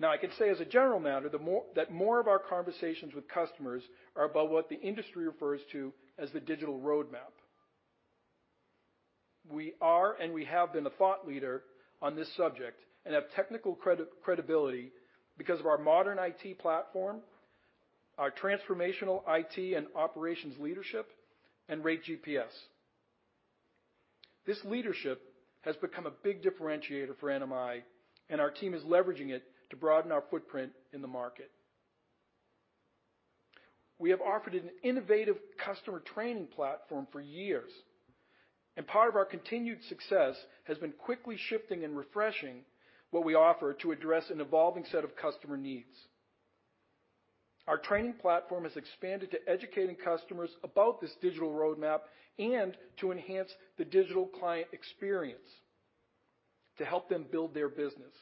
Now, I can say as a general matter, that more of our conversations with customers are about what the industry refers to as the digital roadmap. We are and we have been a thought leader on this subject and have technical credibility because of our modern I.T. platform, our transformational I.T. and operations leadership, and Rate GPS. This leadership has become a big differentiator for NMI, and our team is leveraging it to broaden our footprint in the market. We have offered an innovative customer training platform for years, and part of our continued success has been quickly shifting and refreshing what we offer to address an evolving set of customer needs. Our training platform has expanded to educating customers about this digital roadmap and to enhance the digital client experience to help them build their business.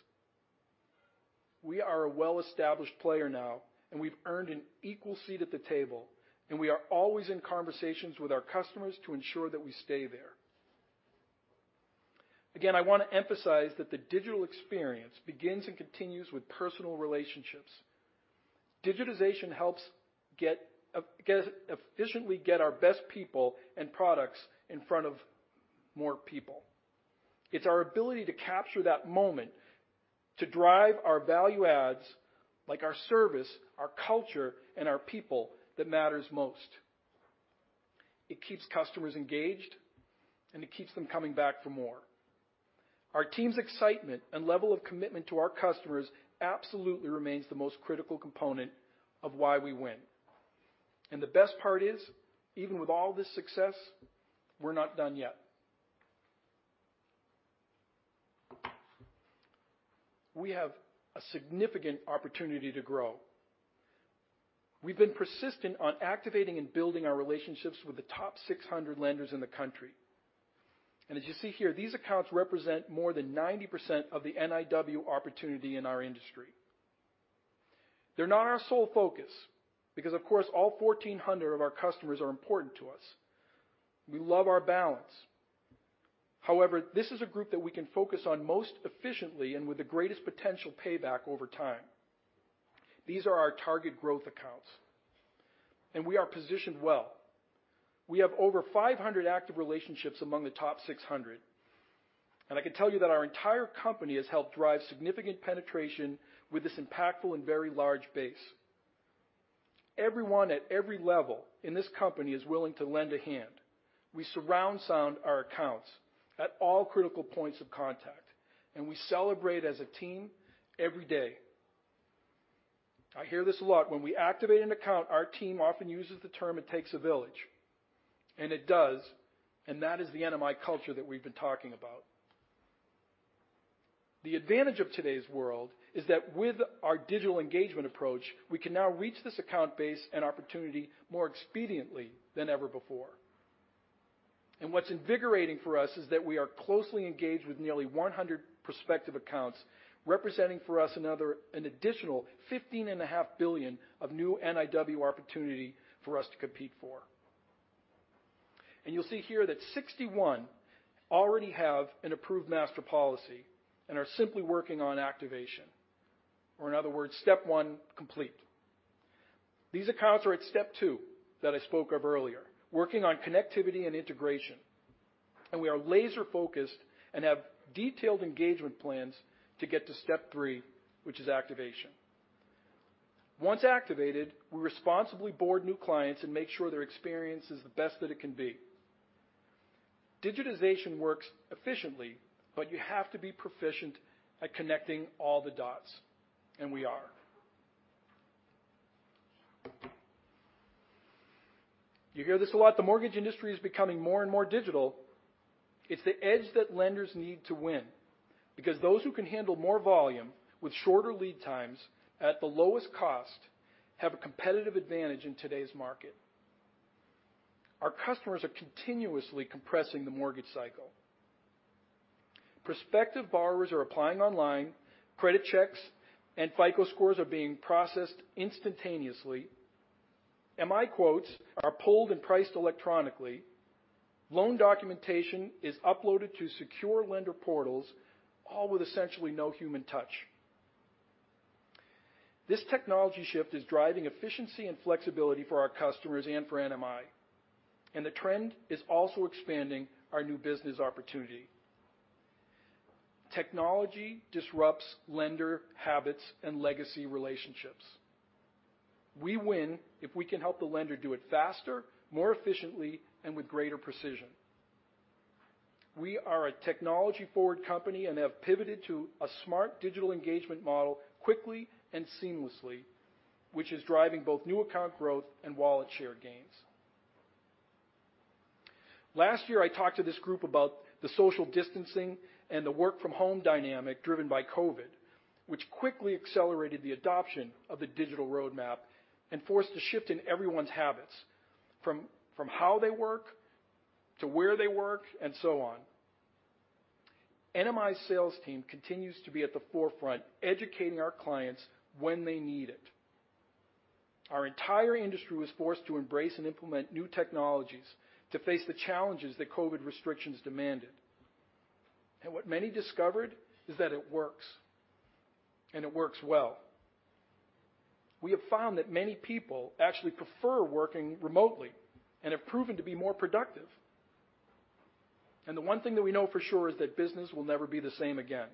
We are a well-established player now, and we've earned an equal seat at the table, and we are always in conversations with our customers to ensure that we stay there. Again, I want to emphasize that the digital experience begins and continues with personal relationships. Digitization helps efficiently get our best people and products in front of more people. It's our ability to capture that moment to drive our value-adds, like our service, our culture, and our people, that matters most. It keeps customers engaged, and it keeps them coming back for more. Our team's excitement and level of commitment to our customers absolutely remains the most critical component of why we win. The best part is, even with all this success, we're not done yet. We have a significant opportunity to grow. We've been persistent on activating and building our relationships with the top 600 lenders in the country. As you see here, these accounts represent more than 90% of the NIW opportunity in our industry. They're not our sole focus because, of course, all 1,400 of our customers are important to us. We love our balance. However, this is a group that we can focus on most efficiently and with the greatest potential payback over time. These are our target growth accounts, and we are positioned well. We have over 500 active relationships among the top 600. I can tell you that our entire company has helped drive significant penetration with this impactful and very large base. Everyone at every level in this company is willing to lend a hand. We surround sound our accounts at all critical points of contact, and we celebrate as a team every day. I hear this a lot. When we activate an account, our team often uses the term, "It takes a village," and it does, and that is the NMI culture that we've been talking about. The advantage of today's world is that with our digital engagement approach, we can now reach this account base and opportunity more expediently than ever before. What's invigorating for us is that we are closely engaged with nearly 100 prospective accounts. An additional fifteen and a half billion of new NIW opportunity for us to compete for. You'll see here that 61 already have an approved master policy and are simply working on activation, or in other words, step one complete. These accounts are at step two that I spoke of earlier, working on connectivity and integration. We are laser-focused and have detailed engagement plans to get to step three, which is activation. Once activated, we responsibly board new clients and make sure their experience is the best that it can be. Digitization works efficiently, but you have to be proficient at connecting all the dots, and we are. You hear this a lot. The mortgage industry is becoming more and more digital. It's the edge that lenders need to win because those who can handle more volume with shorter lead times at the lowest cost have a competitive advantage in today's market. Our customers are continuously compressing the mortgage cycle. Prospective borrowers are applying online. Credit checks and FICO scores are being processed instantaneously. MI quotes are pulled and priced electronically. Loan documentation is uploaded to secure lender portals, all with essentially no human touch. This technology shift is driving efficiency and flexibility for our customers and for NMI. The trend is also expanding our new business opportunity. Technology disrupts lender habits and legacy relationships. We win if we can help the lender do it faster, more efficiently, and with greater precision. We are a technology-forward company and have pivoted to a smart digital engagement model quickly and seamlessly, which is driving both new account growth and wallet share gains. Last year, I talked to this group about the social distancing and the work-from-home dynamic driven by COVID, which quickly accelerated the adoption of the digital roadmap and forced a shift in everyone's habits from how they work to where they work and so on. NMI's sales team continues to be at the forefront, educating our clients when they need it. Our entire industry was forced to embrace and implement new technologies to face the challenges that COVID restrictions demanded. What many discovered is that it works, and it works well. We have found that many people actually prefer working remotely and have proven to be more productive. The one thing that we know for sure is that business will never be the same again.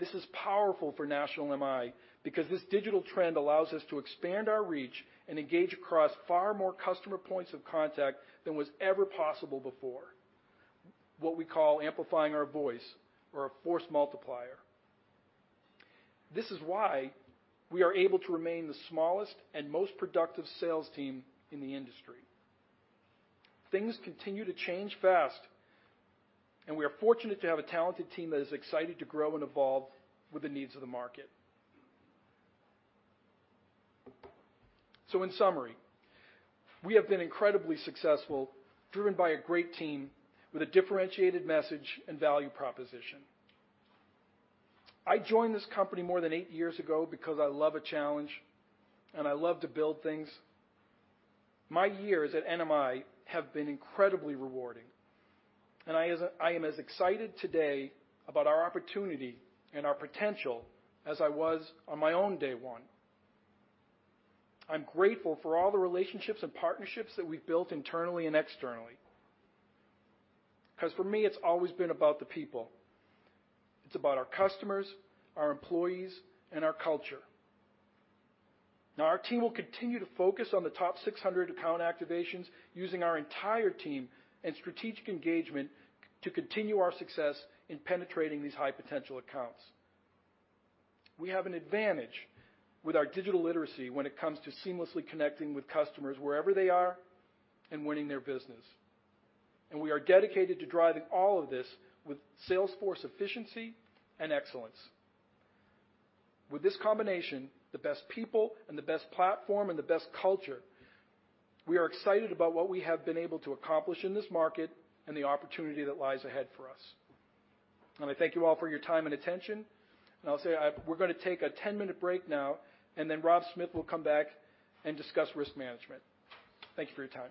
This is powerful for National MI because this digital trend allows us to expand our reach and engage across far more customer points of contact than was ever possible before. What we call amplifying our voice or a force multiplier. This is why we are able to remain the smallest and most productive sales team in the industry. Things continue to change fast, and we are fortunate to have a talented team that is excited to grow and evolve with the needs of the market. In summary, we have been incredibly successful, driven by a great team with a differentiated message and value proposition. I joined this company more than eight years ago because I love a challenge, and I love to build things. My years at NMI have been incredibly rewarding, and I am as excited today about our opportunity and our potential as I was on my own day one. I'm grateful for all the relationships and partnerships that we've built internally and externally. 'Cause for me, it's always been about the people. It's about our customers, our employees, and our culture. Now our team will continue to focus on the top 600 account activations using our entire team and strategic engagement to continue our success in penetrating these high-potential accounts. We have an advantage with our digital literacy when it comes to seamlessly connecting with customers wherever they are and winning their business. We are dedicated to driving all of this with sales force efficiency and excellence. With this combination, the best people and the best platform and the best culture, we are excited about what we have been able to accomplish in this market and the opportunity that lies ahead for us. I wanna thank you all for your time and attention. We're gonna take a 10 minute break now, and then Rob Smith will come back and discuss risk management. Thank you for your time.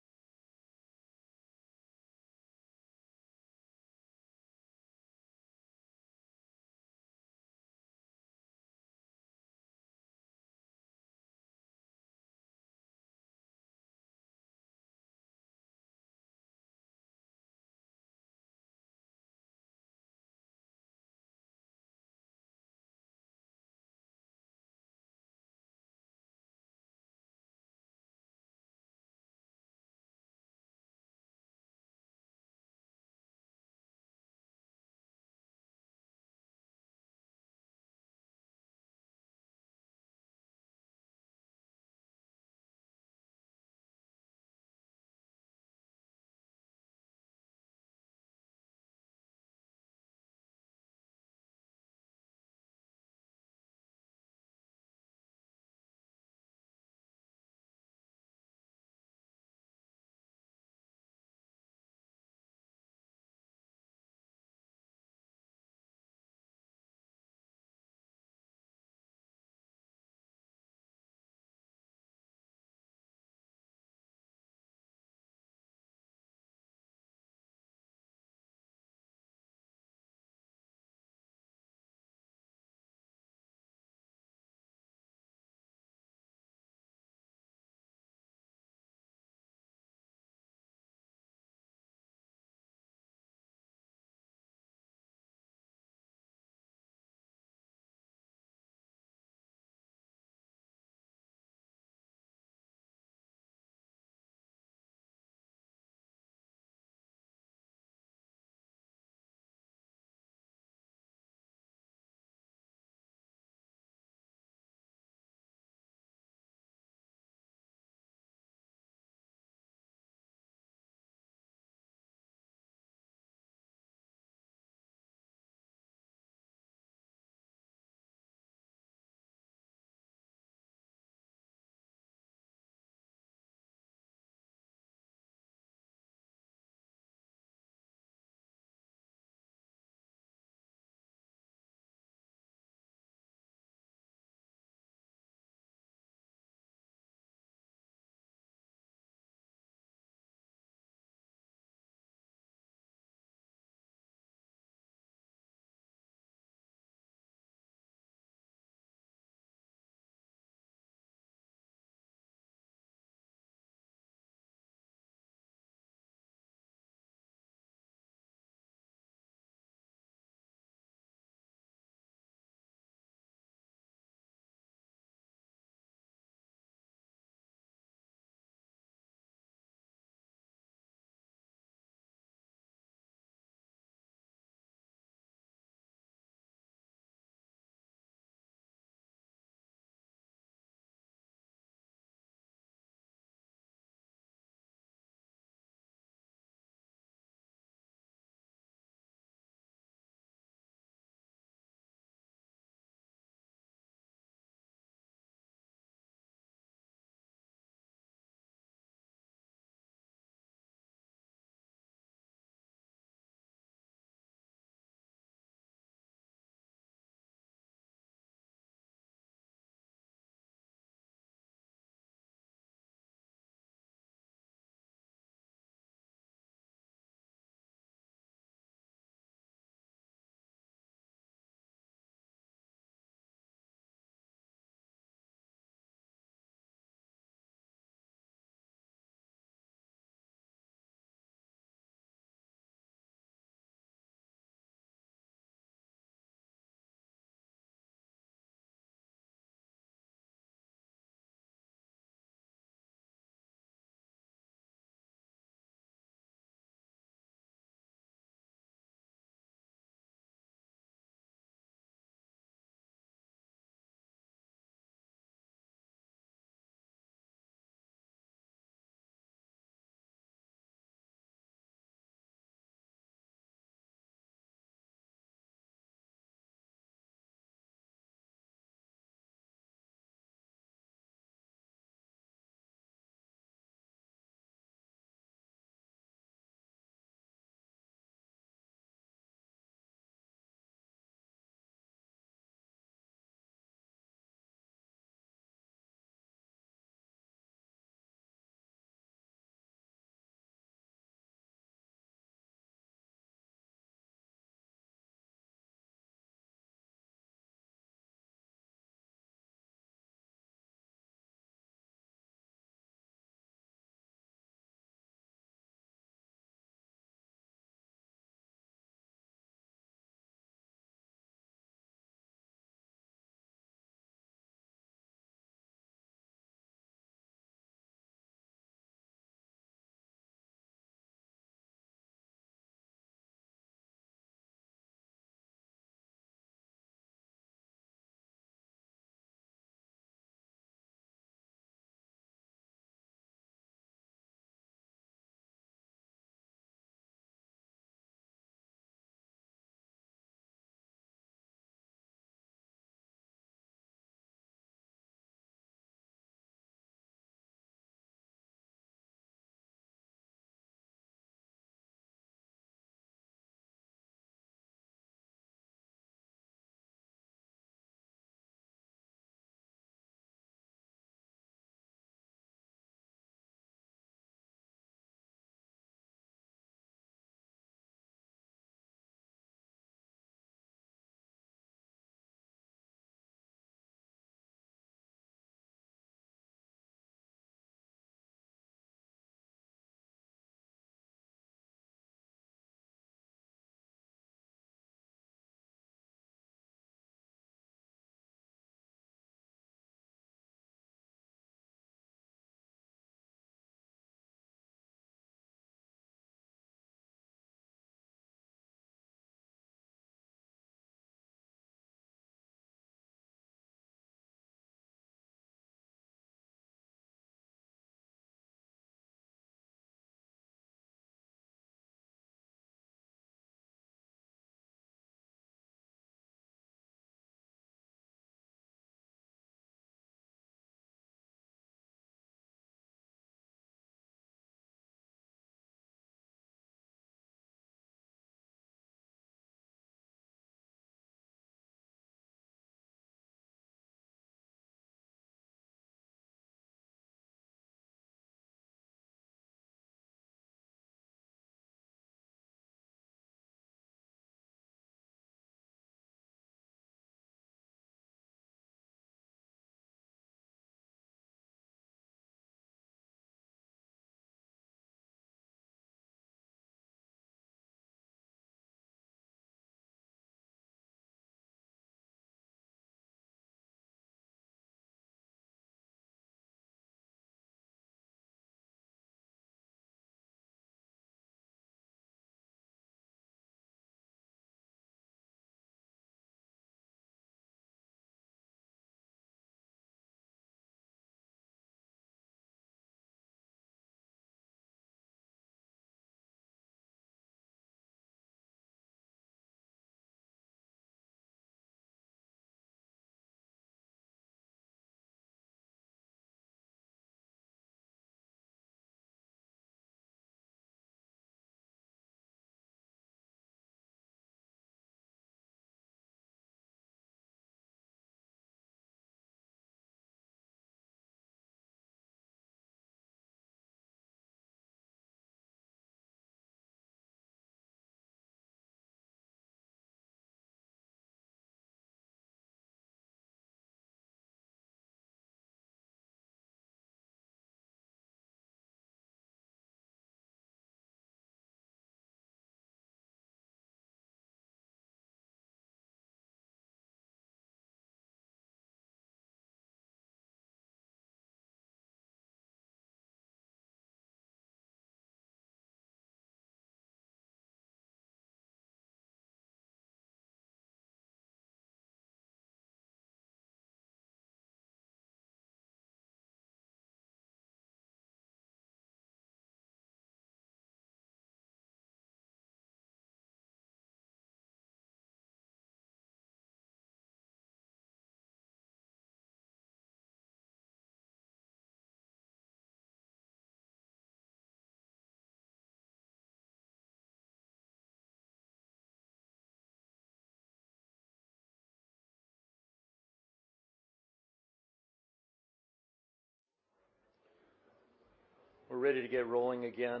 We're ready to get rolling again.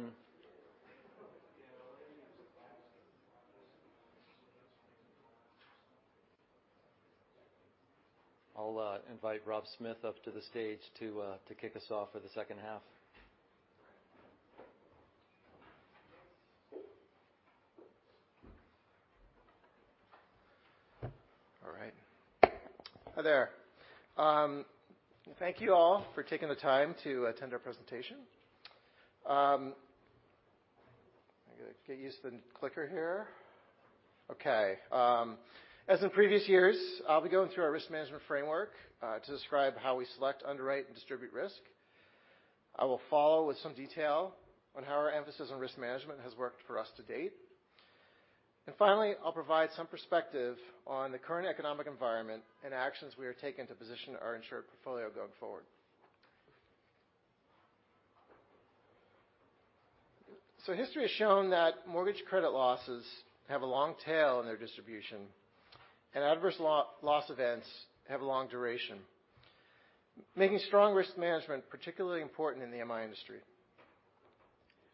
I'll invite Rob Smith up to the stage to kick us off for the second half. All right. Hi there. Thank you all for taking the time to attend our presentation. I gotta get used to the clicker here. Okay. As in previous years, I'll be going through our risk management framework to describe how we select, underwrite, and distribute risk. I will follow with some detail on how our emphasis on risk management has worked for us to date. Finally, I'll provide some perspective on the current economic environment and actions we are taking to position our insured portfolio going forward. History has shown that mortgage credit losses have a long tail in their distribution, and adverse loss events have a long duration, making strong risk management particularly important in the MI industry.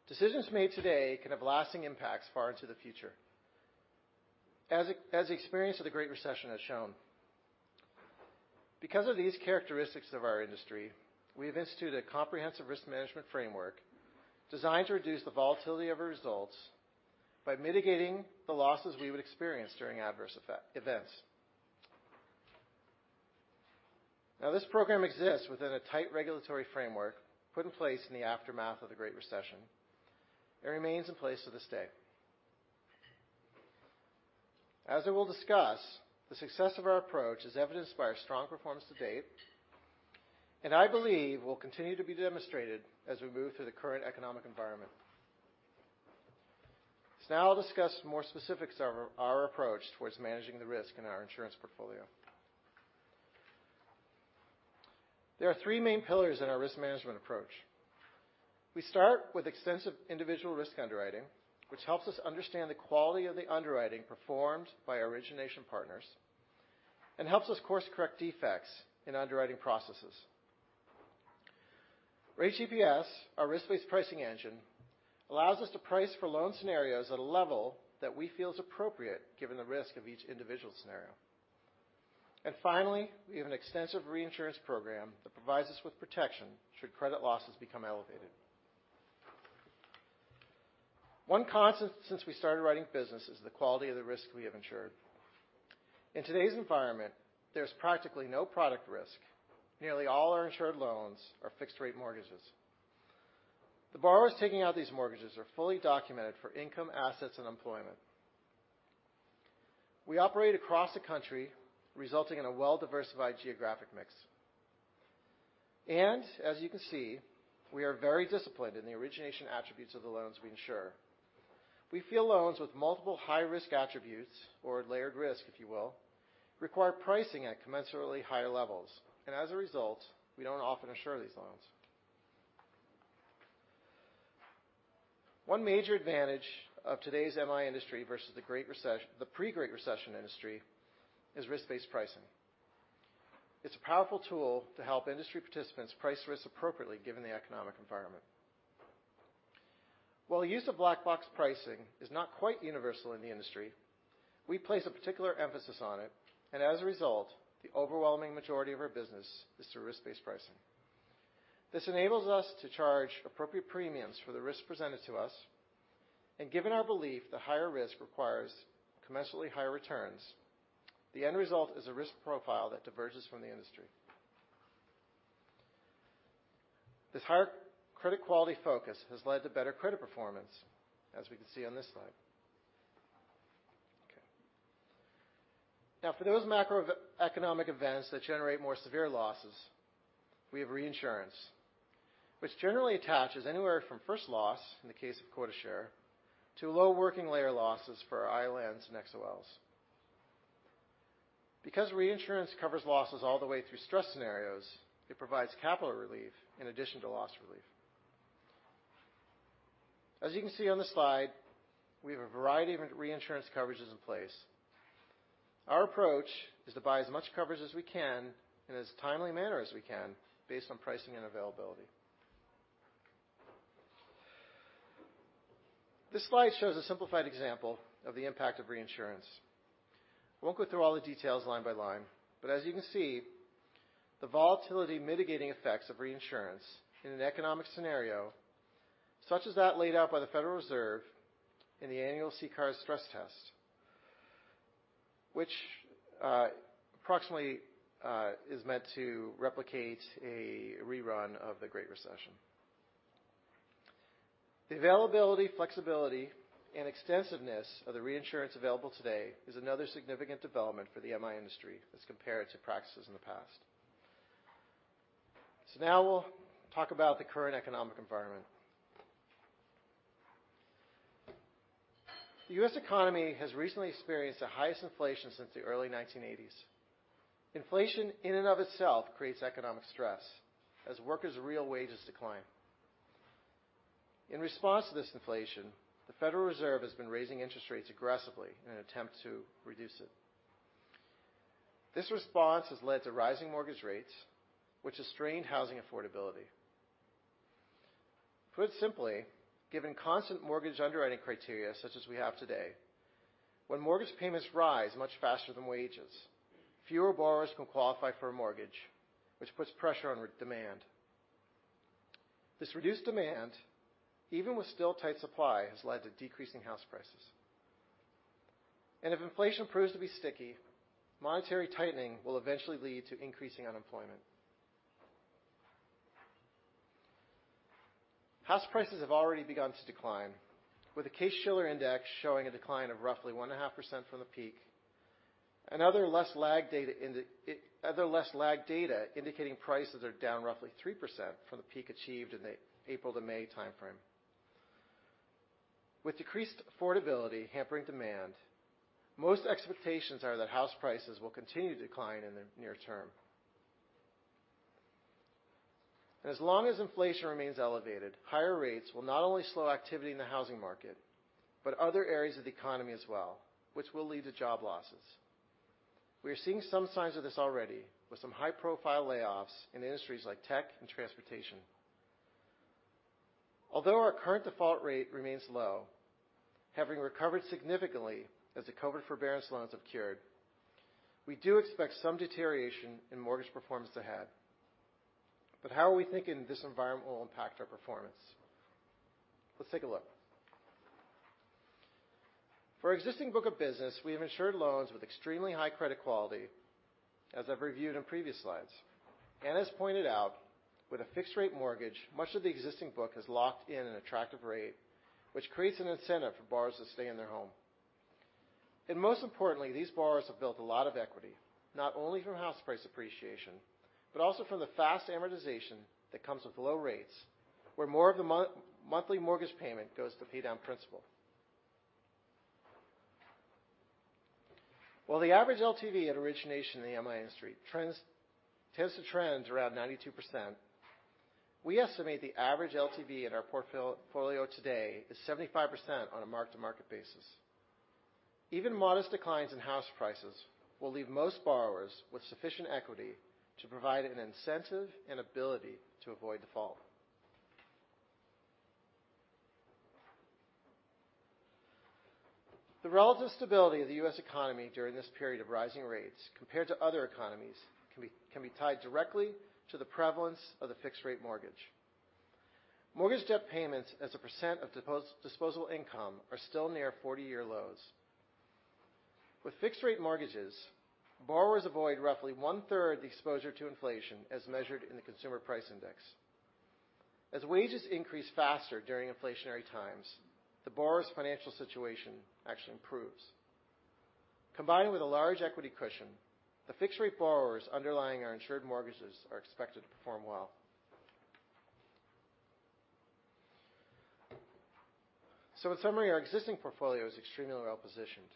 Decisions made today can have lasting impacts far into the future, as the experience of the Great Recession has shown. Because of these characteristics of our industry, we've instituted a comprehensive risk management framework designed to reduce the volatility of our results by mitigating the losses we would experience during adverse events. Now, this program exists within a tight regulatory framework put in place in the aftermath of the Great Recession. It remains in place to this day. As I will discuss, the success of our approach is evidenced by our strong performance to date, and I believe will continue to be demonstrated as we move through the current economic environment. Now I'll discuss more specifics of our approach towards managing the risk in our insurance portfolio. There are three main pillars in our risk management approach. We start with extensive individual risk underwriting, which helps us understand the quality of the underwriting performed by our origination partners and helps us course-correct defects in underwriting processes. Rate GPS, our risk-based pricing engine, allows us to price for loan scenarios at a level that we feel is appropriate given the risk of each individual scenario. Finally, we have an extensive reinsurance program that provides us with protection should credit losses become elevated. One constant since we started writing business is the quality of the risk we have insured. In today's environment, there's practically no product risk. Nearly all our insured loans are fixed-rate mortgages. The borrowers taking out these mortgages are fully documented for income, assets, and employment. We operate across the country, resulting in a well-diversified geographic mix. As you can see, we are very disciplined in the origination attributes of the loans we insure. We feel loans with multiple high-risk attributes or layered risk, if you will, require pricing at commensurately higher levels. As a result, we don't often insure these loans. One major advantage of today's MI industry versus the pre-Great Recession industry is risk-based pricing. It's a powerful tool to help industry participants price risk appropriately given the economic environment. While use of black box pricing is not quite universal in the industry, we place a particular emphasis on it, and as a result, the overwhelming majority of our business is through risk-based pricing. This enables us to charge appropriate premiums for the risk presented to us, and given our belief that higher risk requires commensurately higher returns, the end result is a risk profile that diverges from the industry. This higher credit quality focus has led to better credit performance, as we can see on this slide. Okay. Now for those macroeconomic events that generate more severe losses, we have reinsurance, which generally attaches anywhere from first loss in the case of quota share to low working layer losses for our ILNs and XOLs. Because reinsurance covers losses all the way through stress scenarios, it provides capital relief in addition to loss relief. As you can see on the slide, we have a variety of reinsurance coverages in place. Our approach is to buy as much coverage as we can in as timely manner as we can based on pricing and availability. This slide shows a simplified example of the impact of reinsurance. I won't go through all the details line by line, but as you can see, the volatility mitigating effects of reinsurance in an economic scenario such as that laid out by the Federal Reserve in the annual CCAR stress test, which approximately is meant to replicate a rerun of the Great Recession. The availability, flexibility, and extensiveness of the reinsurance available today is another significant development for the MI industry as compared to practices in the past. Now we'll talk about the current economic environment. The U.S. economy has recently experienced the highest inflation since the early 1980s. Inflation in and of itself creates economic stress as workers' real wages decline. In response to this inflation, the Federal Reserve has been raising interest rates aggressively in an attempt to reduce it. This response has led to rising mortgage rates, which has strained housing affordability. Put simply, given constant mortgage underwriting criteria such as we have today, when mortgage payments rise much faster than wages, fewer borrowers can qualify for a mortgage, which puts pressure on demand. This reduced demand, even with still tight supply, has led to decreasing house prices. If inflation proves to be sticky, monetary tightening will eventually lead to increasing unemployment. House prices have already begun to decline, with the Case-Shiller index showing a decline of roughly 1.5% from the peak, and other less lagged data indicating prices are down roughly 3% from the peak achieved in the April to May timeframe. With decreased affordability hampering demand, most expectations are that house prices will continue to decline in the near term. As long as inflation remains elevated, higher rates will not only slow activity in the housing market, but other areas of the economy as well, which will lead to job losses. We are seeing some signs of this already, with some high-profile layoffs in industries like tech and transportation. Although our current default rate remains low, having recovered significantly as the COVID forbearance loans have cured, we do expect some deterioration in mortgage performance ahead. How are we thinking this environment will impact our performance? Let's take a look. For our existing book of business, we have insured loans with extremely high credit quality, as I've reviewed in previous slides. As pointed out, with a fixed-rate mortgage, much of the existing book has locked in an attractive rate, which creates an incentive for borrowers to stay in their home. Most importantly, these borrowers have built a lot of equity, not only from house price appreciation, but also from the fast amortization that comes with low rates, where more of the monthly mortgage payment goes to pay down principal. While the average LTV at origination in the M.I. industry tends to trend around 92%, we estimate the average LTV in our portfolio today is 75% on a mark-to-market basis. Even modest declines in house prices will leave most borrowers with sufficient equity to provide an incentive and ability to avoid default. The relative stability of the U.S. economy during this period of rising rates compared to other economies can be tied directly to the prevalence of the fixed-rate mortgage. Mortgage debt payments as a percent of disposable income are still near 40 year lows. With fixed-rate mortgages, borrowers avoid roughly 1/3 the exposure to inflation as measured in the Consumer Price Index. As wages increase faster during inflationary times, the borrower's financial situation actually improves. Combined with a large equity cushion, the fixed-rate borrowers underlying our insured mortgages are expected to perform well. In summary, our existing portfolio is extremely well-positioned.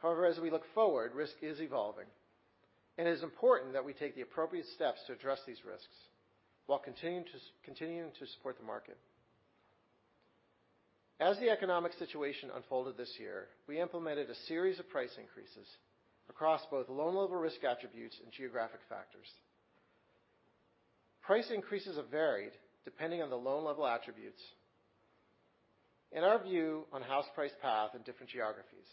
However, as we look forward, risk is evolving, and it is important that we take the appropriate steps to address these risks while continuing to support the market. As the economic situation unfolded this year, we implemented a series of price increases across both loan-level risk attributes and geographic factors. Price increases have varied depending on the loan-level attributes and our view on house price path in different geographies.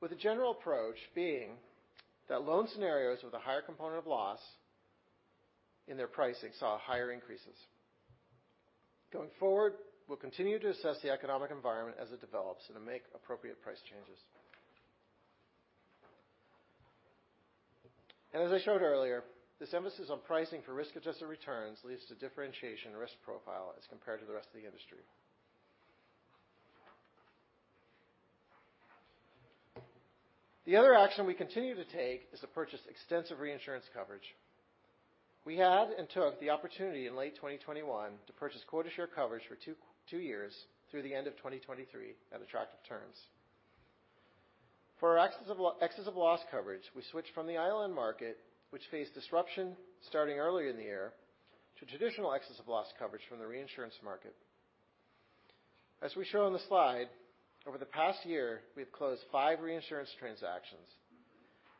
With the general approach being that loan scenarios with a higher component of loss in their pricing saw higher increases. Going forward, we'll continue to assess the economic environment as it develops and then make appropriate price changes. As I showed earlier, this emphasis on pricing for risk-adjusted returns leads to differentiation risk profile as compared to the rest of the industry. The other action we continue to take is to purchase extensive reinsurance coverage. We had and took the opportunity in late 2021 to purchase quota share coverage for two years through the end of 2023 at attractive terms. For our excess of loss coverage, we switched from the ILN market, which faced disruption starting earlier in the year, to traditional excess of loss coverage from the reinsurance market. As we show on the slide, over the past year, we have closed five reinsurance transactions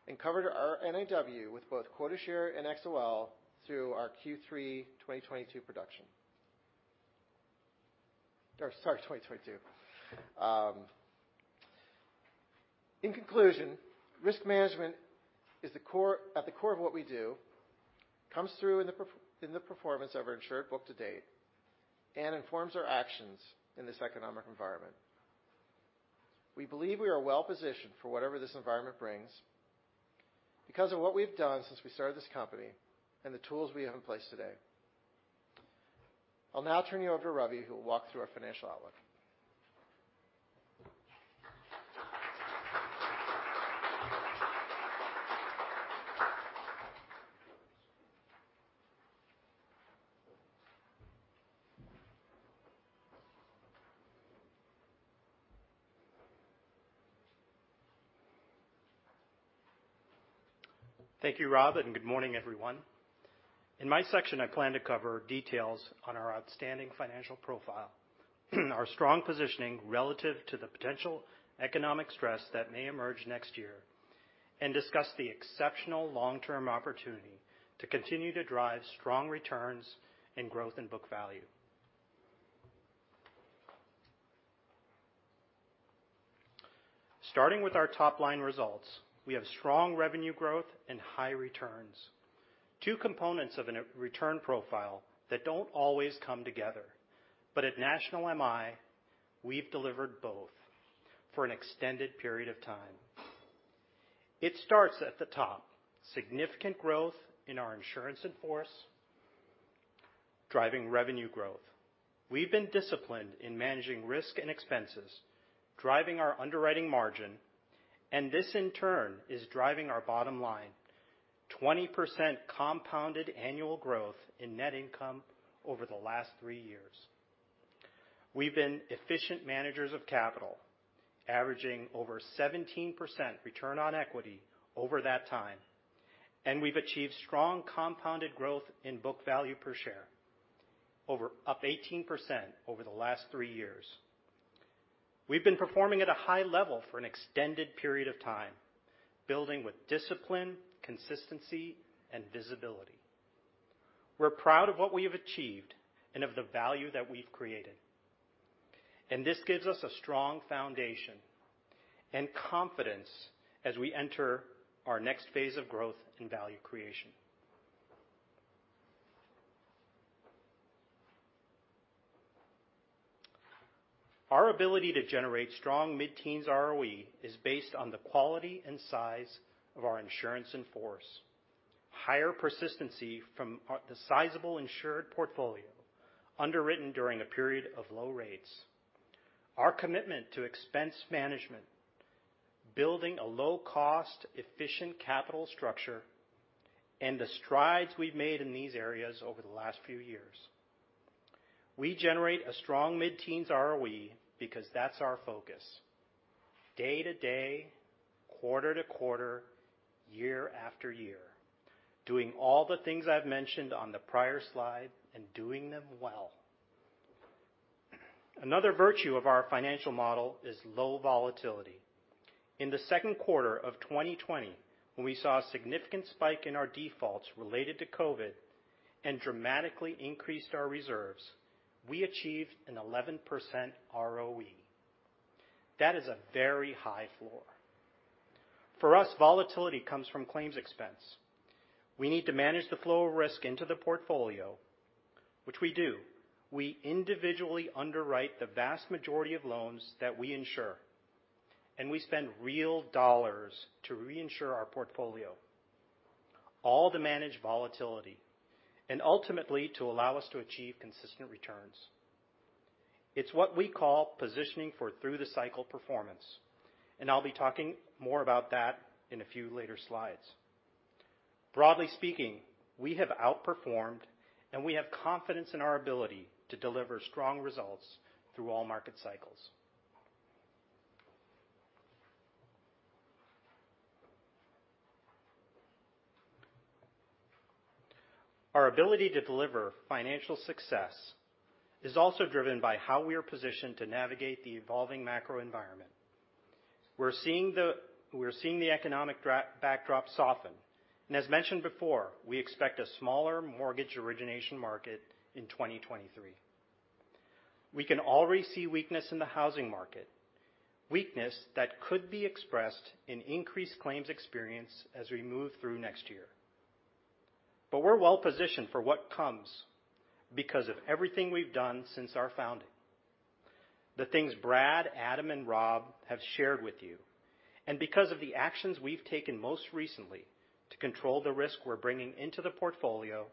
and covered our NIW with both quota share and XOL through our Q3 2022 production. Sorry, 2022. In conclusion, risk management is at the core of what we do, comes through in the performance of our insured book to date, and informs our actions in this economic environment. We believe we are well-positioned for whatever this environment brings because of what we've done since we started this company and the tools we have in place today. I'll now turn you over to Ravi, who will walk through our financial outlook. Thank you, Rob, and good morning, everyone. In my section, I plan to cover details on our outstanding financial profile, our strong positioning relative to the potential economic stress that may emerge next year, and discuss the exceptional long-term opportunity to continue to drive strong returns and growth in book value. Starting with our top-line results, we have strong revenue growth and high returns. Two components of a return profile that don't always come together. At National MI, we've delivered both for an extended period of time. It starts at the top, significant growth in our insurance in force, driving revenue growth. We've been disciplined in managing risk and expenses, driving our underwriting margin, and this, in turn, is driving our bottom line. 20% compounded annual growth in net income over the last three years. We've been efficient managers of capital, averaging over 17% return on equity over that time, and we've achieved strong compounded growth in book value per share, up 18% over the last three years. We've been performing at a high level for an extended period of time, building with discipline, consistency, and visibility. We're proud of what we have achieved and of the value that we've created. This gives us a strong foundation and confidence as we enter our next phase of growth and value creation. Our ability to generate strong mid-teens ROE is based on the quality and size of our insurance in force, higher persistency from the sizable insured portfolio underwritten during a period of low rates, our commitment to expense management, building a low-cost, efficient capital structure, and the strides we've made in these areas over the last few years. We generate a strong mid-teens ROE because that's our focus day to day, quarter to quarter, year after year, doing all the things I've mentioned on the prior slide and doing them well. Another virtue of our financial model is low volatility. In the second quarter of 2020, when we saw a significant spike in our defaults related to COVID, and dramatically increased our reserves, we achieved an 11% ROE. That is a very high floor. For us, volatility comes from claims expense. We need to manage the flow of risk into the portfolio, which we do. We individually underwrite the vast majority of loans that we insure, and we spend real dollars to reinsure our portfolio, all to manage volatility, and ultimately, to allow us to achieve consistent returns. It's what we call positioning for through-the-cycle performance, and I'll be talking more about that in a few later slides. Broadly speaking, we have outperformed, and we have confidence in our ability to deliver strong results through all market cycles. Our ability to deliver financial success is also driven by how we are positioned to navigate the evolving macro environment. We're seeing the economic backdrop soften, and as mentioned before, we expect a smaller mortgage origination market in 2023. We can already see weakness in the housing market that could be expressed in increased claims experience as we move through next year. We're well-positioned for what comes because of everything we've done since our founding, the things Brad, Adam, and Rob have shared with you, and because of the actions we've taken most recently to control the risk we're bringing into the portfolio,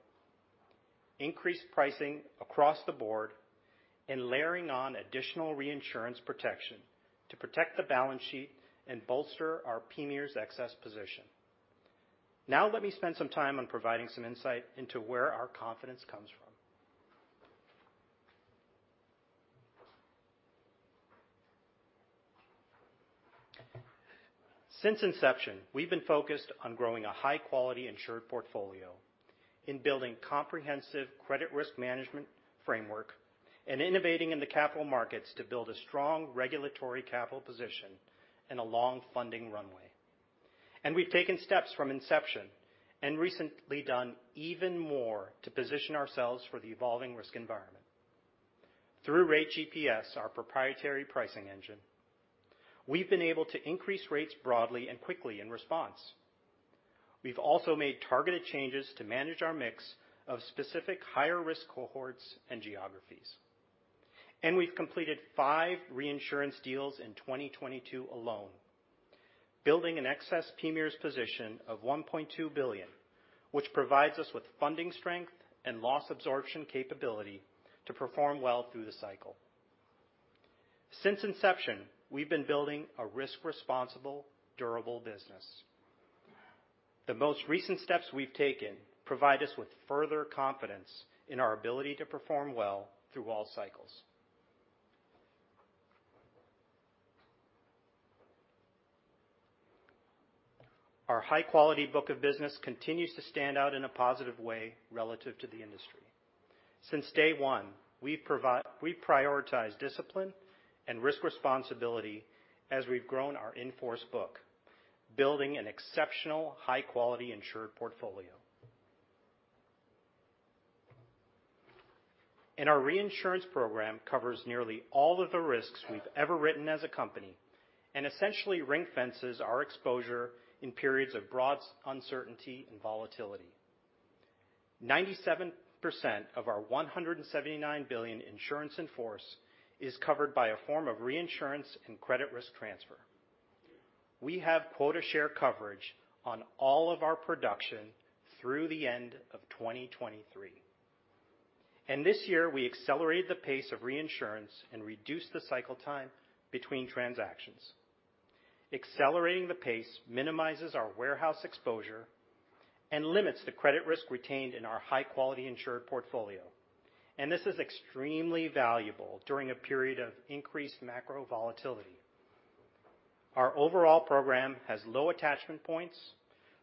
increase pricing across the board, and layering on additional reinsurance protection to protect the balance sheet and bolster our PMIERs excess position. Now, let me spend some time on providing some insight into where our confidence comes from. Since inception, we've been focused on growing a high-quality insured portfolio in building comprehensive credit risk management framework and innovating in the capital markets to build a strong regulatory capital position and a long funding runway. We've taken steps from inception and recently done even more to position ourselves for the evolving risk environment. Through Rate GPS, our proprietary pricing engine, we've been able to increase rates broadly and quickly in response. We've also made targeted changes to manage our mix of specific higher-risk cohorts and geographies. We've completed five reinsurance deals in 2022 alone, building an excess PMIERs position of $1.2 billion, which provides us with funding strength and loss absorption capability to perform well through the cycle. Since inception, we've been building a risk-responsible, durable business. The most recent steps we've taken provide us with further confidence in our ability to perform well through all cycles. Our high-quality book of business continues to stand out in a positive way relative to the industry. Since day one, we've prioritized discipline and risk responsibility as we've grown our in-force book, building an exceptional high-quality insured portfolio. And our reinsurance program covers nearly all of the risks we've ever written as a company and essentially ring-fences our exposure in periods of broad uncertainty and volatility. Ninety-seven percent of our one hundred and seventy-nine billion insurance in force is covered by a form of reinsurance and credit risk transfer. We have quota share coverage on all of our production through the end of 2023. And this year, we accelerated the pace of reinsurance and reduced the cycle time between transactions. Accelerating the pace minimizes our warehouse exposure and limits the credit risk retained in our high-quality insured portfolio. And this is extremely valuable during a period of increased macro volatility. Our overall program has low attachment points,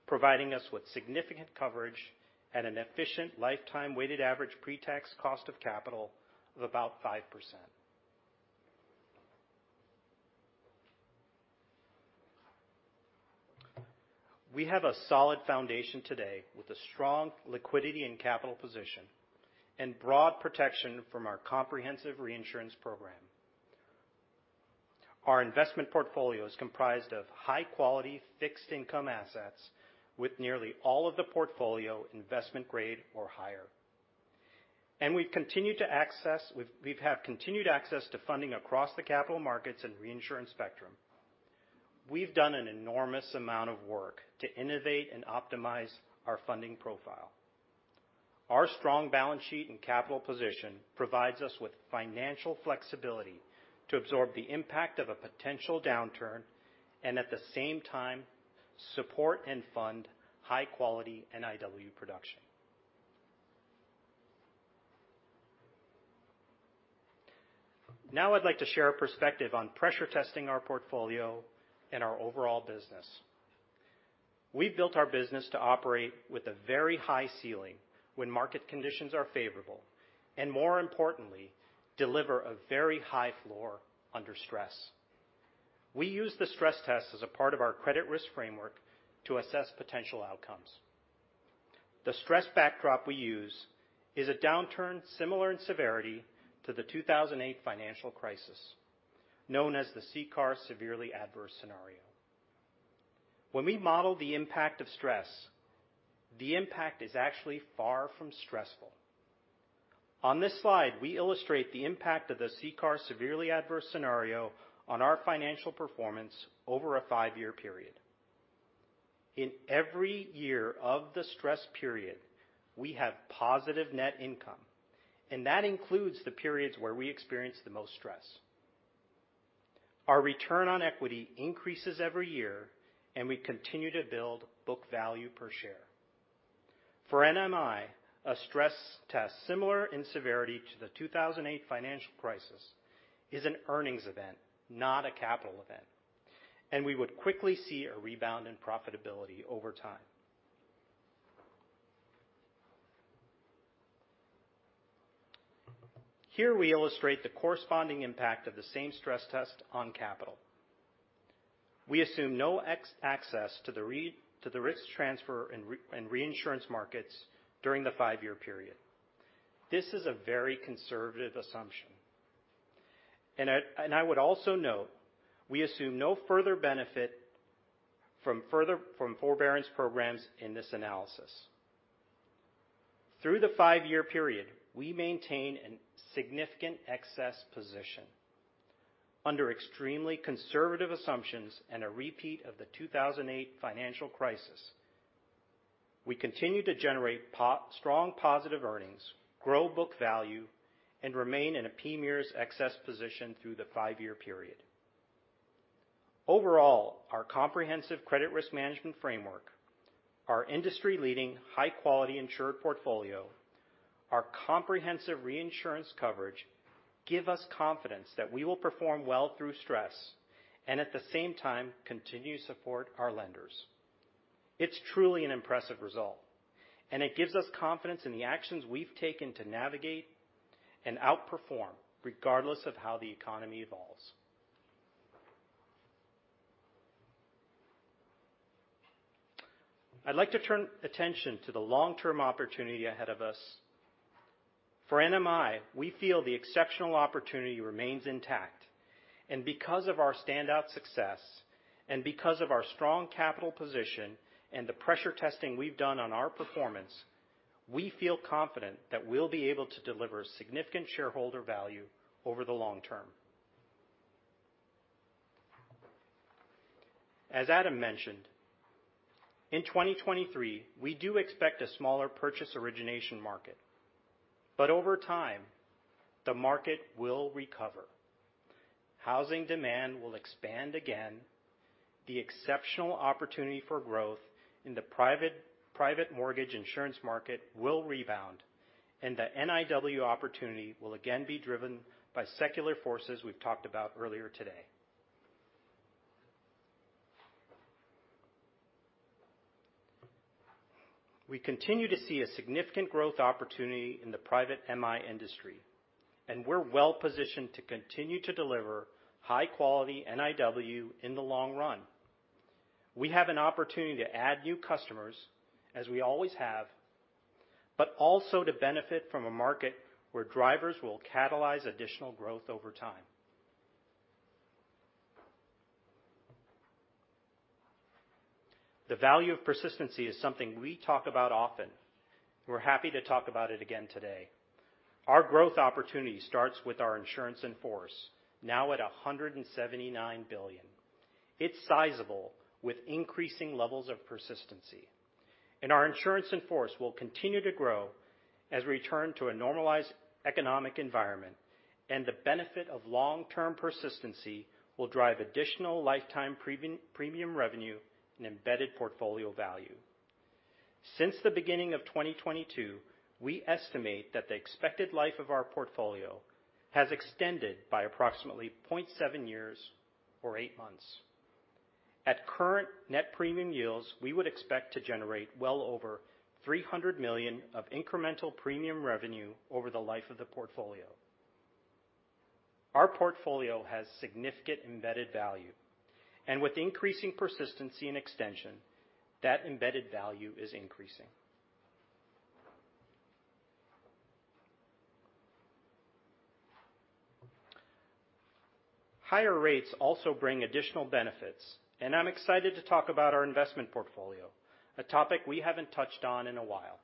providing us with significant coverage at an efficient lifetime weighted average pre-tax cost of capital of about five percent. We have a solid foundation today with a strong liquidity and capital position and broad protection from our comprehensive reinsurance program. Our investment portfolio is comprised of high-quality fixed income assets with nearly all of the portfolio investment grade or higher. We've have continued access to funding across the capital markets and reinsurance spectrum. We've done an enormous amount of work to innovate and optimize our funding profile. Our strong balance sheet and capital position provides us with financial flexibility to absorb the impact of a potential downturn and at the same time, support and fund high-quality NIW production. Now I'd like to share a perspective on pressure testing our portfolio and our overall business. We've built our business to operate with a very high ceiling when market conditions are favorable, and more importantly, deliver a very high floor under stress. We use the stress test as a part of our credit risk framework to assess potential outcomes. The stress backdrop we use is a downturn similar in severity to the 2008 financial crisis, known as the CCAR Severely Adverse Scenario. When we model the impact of stress, the impact is actually far from stressful. On this slide, we illustrate the impact of the CCAR Severely Adverse Scenario on our financial performance over a five year period. In every year of the stress period, we have positive net income, and that includes the periods where we experience the most stress. Our return on equity increases every year, and we continue to build book value per share. For NMI, a stress test similar in severity to the 2008 financial crisis is an earnings event, not a capital event. We would quickly see a rebound in profitability over time. Here we illustrate the corresponding impact of the same stress test on capital. We assume no access to the risk transfer and reinsurance markets during the five year period. This is a very conservative assumption. I would also note, we assume no further benefit from forbearance programs in this analysis. Through the five year period, we maintain a significant excess position. Under extremely conservative assumptions and a repeat of the 2008 financial crisis, we continue to generate strong positive earnings, grow book value, and remain in a PMIERs excess position through the five-year period. Overall, our comprehensive credit risk management framework, our industry-leading high-quality insured portfolio, our comprehensive reinsurance coverage give us confidence that we will perform well through stress, and at the same time, continue to support our lenders. It's truly an impressive result, and it gives us confidence in the actions we've taken to navigate and outperform regardless of how the economy evolves. I'd like to turn attention to the long-term opportunity ahead of us. For NMI, we feel the exceptional opportunity remains intact. Because of our standout success, and because of our strong capital position and the pressure testing we've done on our performance, we feel confident that we'll be able to deliver significant shareholder value over the long term. As Adam mentioned, in 2023, we do expect a smaller purchase origination market. Over time, the market will recover. Housing demand will expand again. The exceptional opportunity for growth in the private mortgage insurance market will rebound, and the NIW opportunity will again be driven by secular forces we've talked about earlier today. We continue to see a significant growth opportunity in the private M.I. industry, and we're well-positioned to continue to deliver high-quality NIW in the long run. We have an opportunity to add new customers as we always have, but also to benefit from a market where drivers will catalyze additional growth over time. The value of persistency is something we talk about often. We're happy to talk about it again today. Our growth opportunity starts with our insurance in force, now at $179 billion. It's sizable, with increasing levels of persistency. Our insurance in force will continue to grow as we return to a normalized economic environment, and the benefit of long-term persistency will drive additional lifetime premium revenue and embedded portfolio value. Since the beginning of 2022, we estimate that the expected life of our portfolio has extended by approximately 0.7 years or eight months. At current net premium yields, we would expect to generate well over $300 million of incremental premium revenue over the life of the portfolio. Our portfolio has significant embedded value, and with increasing persistency and extension, that embedded value is increasing. Higher rates also bring additional benefits, and I'm excited to talk about our investment portfolio, a topic we haven't touched on in a while.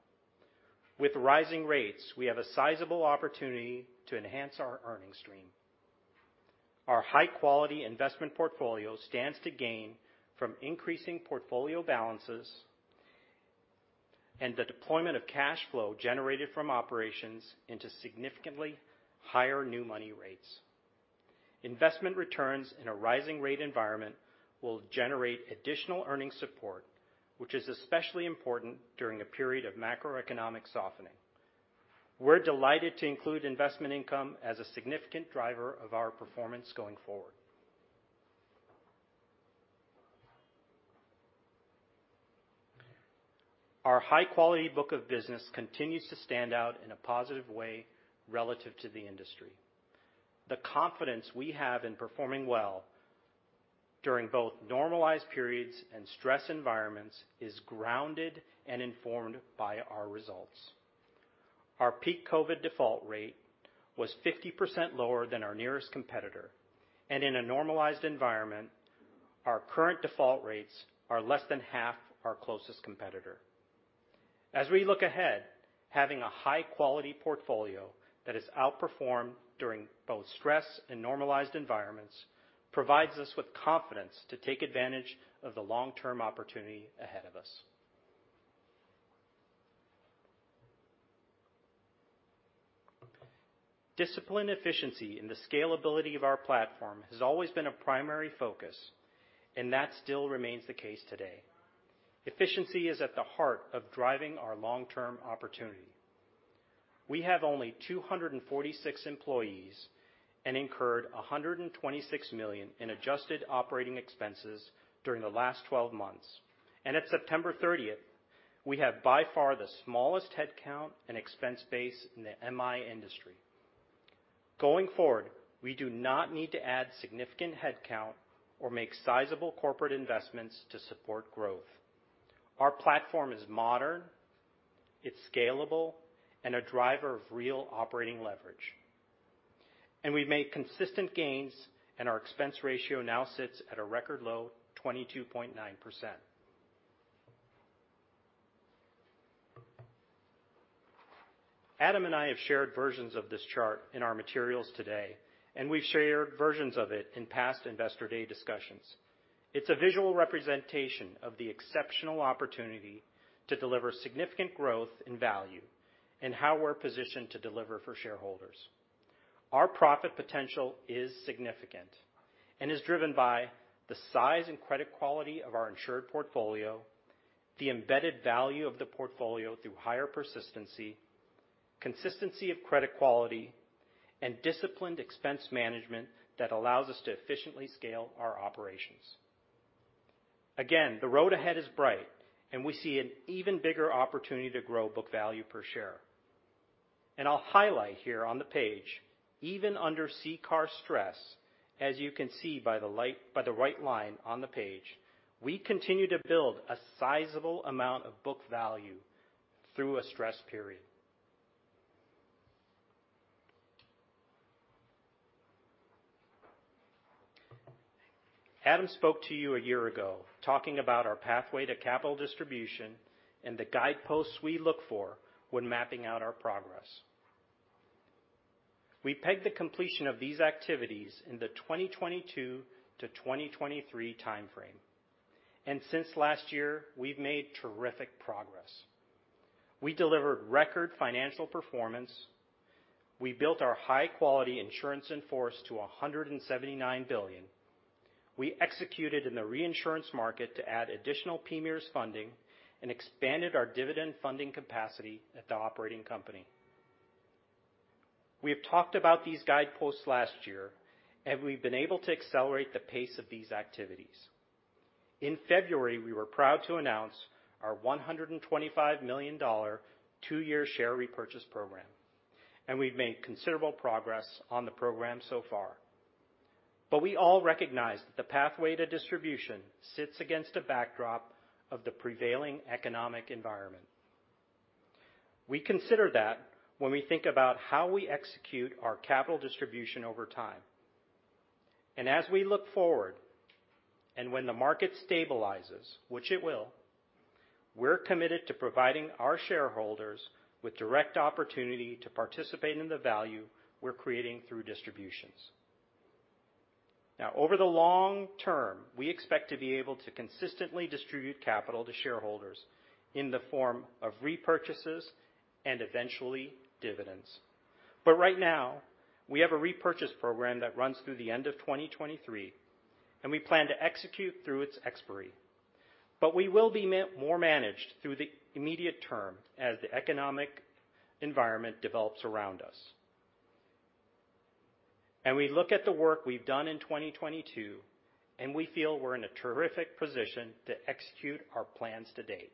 With rising rates, we have a sizable opportunity to enhance our earnings stream. Our high-quality investment portfolio stands to gain from increasing portfolio balances and the deployment of cash flow generated from operations into significantly higher new money rates. Investment returns in a rising rate environment will generate additional earnings support, which is especially important during a period of macroeconomic softening. We're delighted to include investment income as a significant driver of our performance going forward. Our high-quality book of business continues to stand out in a positive way relative to the industry. The confidence we have in performing well during both normalized periods and stress environments is grounded and informed by our results. Our peak COVID default rate was 50% lower than our nearest competitor, and in a normalized environment, our current default rates are less than half our closest competitor. As we look ahead, having a high-quality portfolio that has outperformed during both stress and normalized environments provides us with confidence to take advantage of the long-term opportunity ahead of us. Disciplined efficiency in the scalability of our platform has always been a primary focus, and that still remains the case today. Efficiency is at the heart of driving our long-term opportunity. We have only 246 employees and incurred $126 million in adjusted operating expenses during the last 12 months. At September 30th, we have by far the smallest headcount and expense base in the MI industry. Going forward, we do not need to add significant headcount or make sizable corporate investments to support growth. Our platform is modern, it's scalable, and a driver of real operating leverage. We've made consistent gains, and our expense ratio now sits at a record low 22.9%. Adam and I have shared versions of this chart in our materials today, and we've shared versions of it in past Investor Day discussions. It's a visual representation of the exceptional opportunity to deliver significant growth and value, and how we're positioned to deliver for shareholders. Our profit potential is significant and is driven by the size and credit quality of our insured portfolio, the embedded value of the portfolio through higher persistency, consistency of credit quality, and disciplined expense management that allows us to efficiently scale our operations. Again, the road ahead is bright, and we see an even bigger opportunity to grow book value per share. I'll highlight here on the page. Even under CCAR stress, as you can see by the right line on the page, we continue to build a sizable amount of book value through a stress period. Adam spoke to you a year ago talking about our pathway to capital distribution and the guideposts we look for when mapping out our progress. We pegged the completion of these activities in the 2022-2023 timeframe. Since last year, we've made terrific progress. We delivered record financial performance. We built our high-quality insurance in force to $179 billion. We executed in the reinsurance market to add additional PMIERs funding and expanded our dividend funding capacity at the operating company. We have talked about these guideposts last year, and we've been able to accelerate the pace of these activities. In February, we were proud to announce our $125 million two-year share repurchase program, and we've made considerable progress on the program so far. We all recognize that the pathway to distribution sits against a backdrop of the prevailing economic environment. We consider that when we think about how we execute our capital distribution over time. As we look forward, and when the market stabilizes, which it will, we're committed to providing our shareholders with direct opportunity to participate in the value we're creating through distributions. Now, over the long term, we expect to be able to consistently distribute capital to shareholders in the form of repurchases and eventually dividends. Right now, we have a repurchase program that runs through the end of 2023, and we plan to execute through its expiry. We will be more managed through the immediate term as the economic environment develops around us. We look at the work we've done in 2022, and we feel we're in a terrific position to execute our plans to date.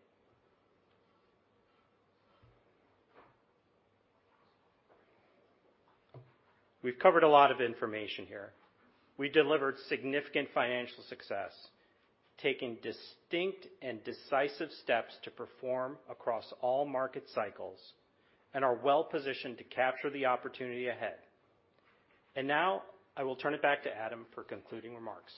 We've covered a lot of information here. We delivered significant financial success, taking distinct and decisive steps to perform across all market cycles, and are well-positioned to capture the opportunity ahead. Now, I will turn it back to Adam for concluding remarks.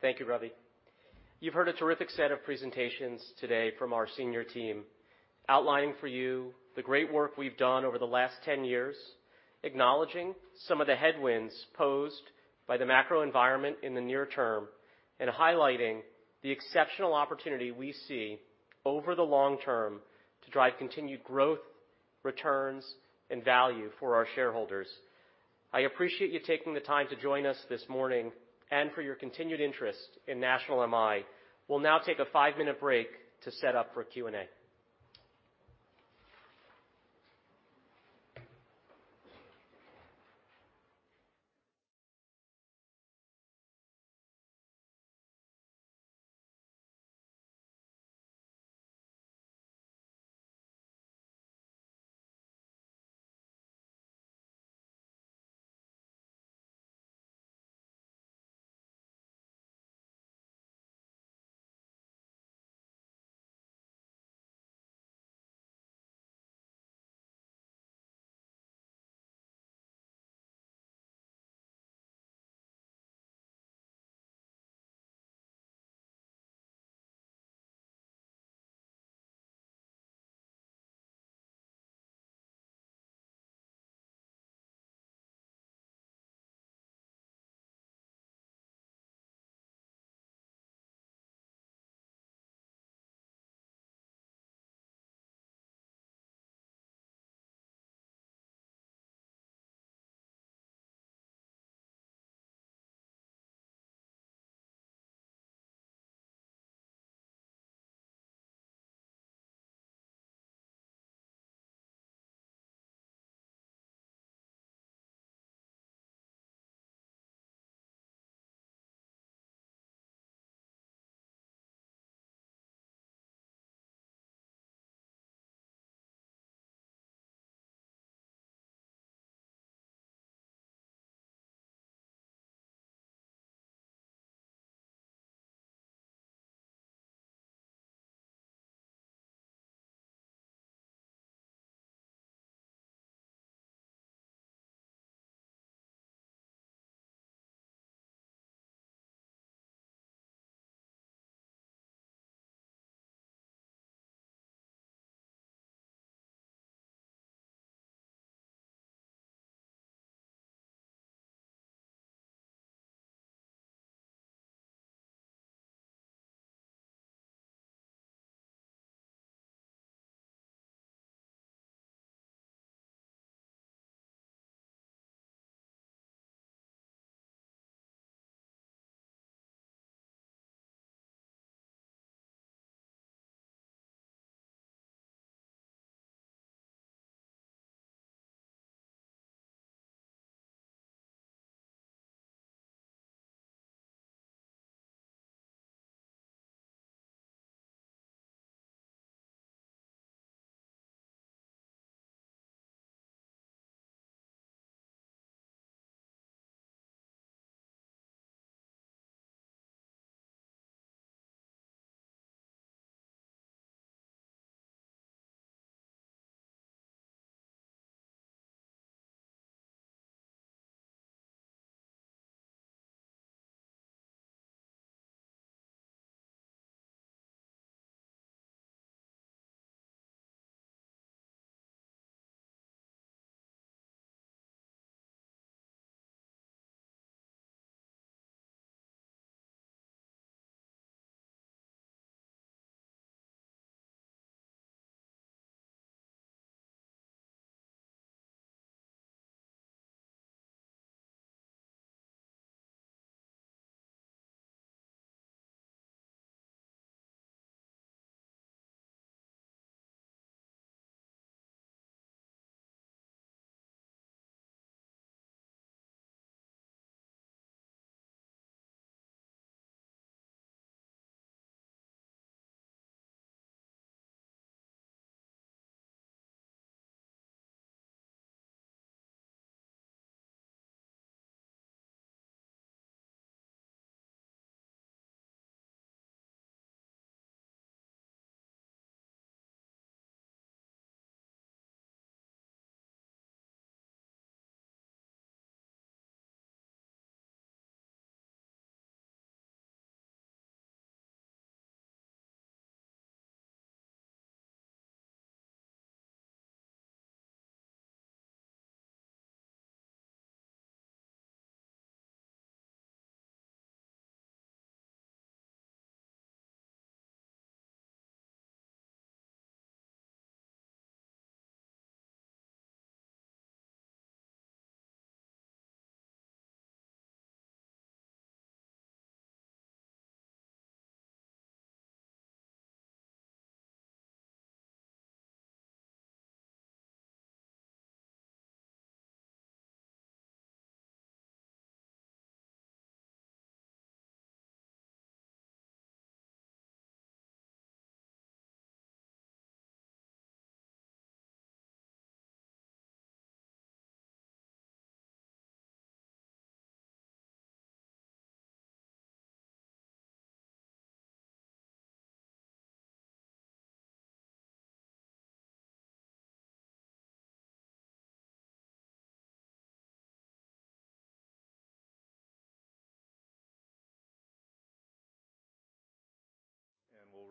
Thank you, Ravi. You've heard a terrific set of presentations today from our senior team, outlining for you the great work we've done over the last 10 years, acknowledging some of the headwinds posed by the macro environment in the near term, and highlighting the exceptional opportunity we see over the long term to drive continued growth, returns, and value for our shareholders. I appreciate you taking the time to join us this morning and for your continued interest in National MI. We'll now take a five-minute break to set up for Q&A. We'll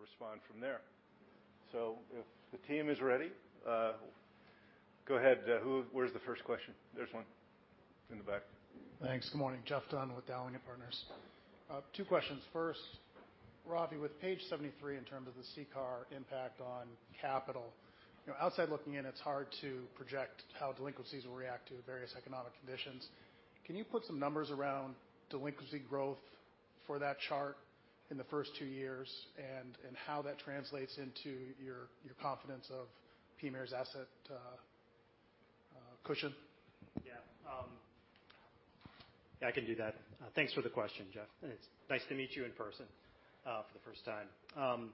respond from there. If the team is ready, go ahead. Where's the first question? There's one in the back. Thanks. Good morning. Geoffrey Dunn with Dowling & Partners. Two questions. First, Ravi, with page 73 in terms of the CCAR impact on capital. You know, outside looking in, it's hard to project how delinquencies will react to various economic conditions. Can you put some numbers around delinquency growth for that chart in the first two years and how that translates into your confidence of PMIERs asset cushion? Yeah, I can do that. Thanks for the question, Jeff, and it's nice to meet you in person for the first time.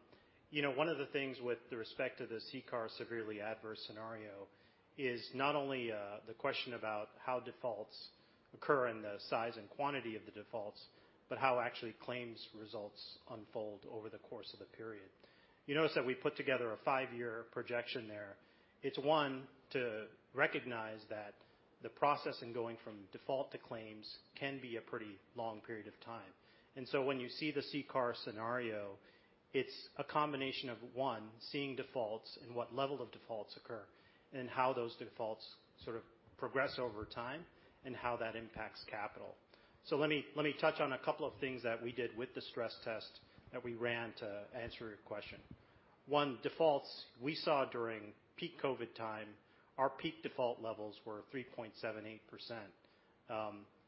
You know, one of the things with the respect to the CCAR severely adverse scenario is not only the question about how defaults occur and the size and quantity of the defaults, but how actually claims results unfold over the course of the period. You notice that we put together a five-year projection there. It's, one, to recognize that the process in going from default to claims can be a pretty long period of time. When you see the CCAR scenario, it's a combination of, one, seeing defaults and what level of defaults occur, and how those defaults sort of progress over time and how that impacts capital. Let me touch on a couple of things that we did with the stress test that we ran to answer your question. One, defaults we saw during peak COVID time, our peak default levels were 3.78%.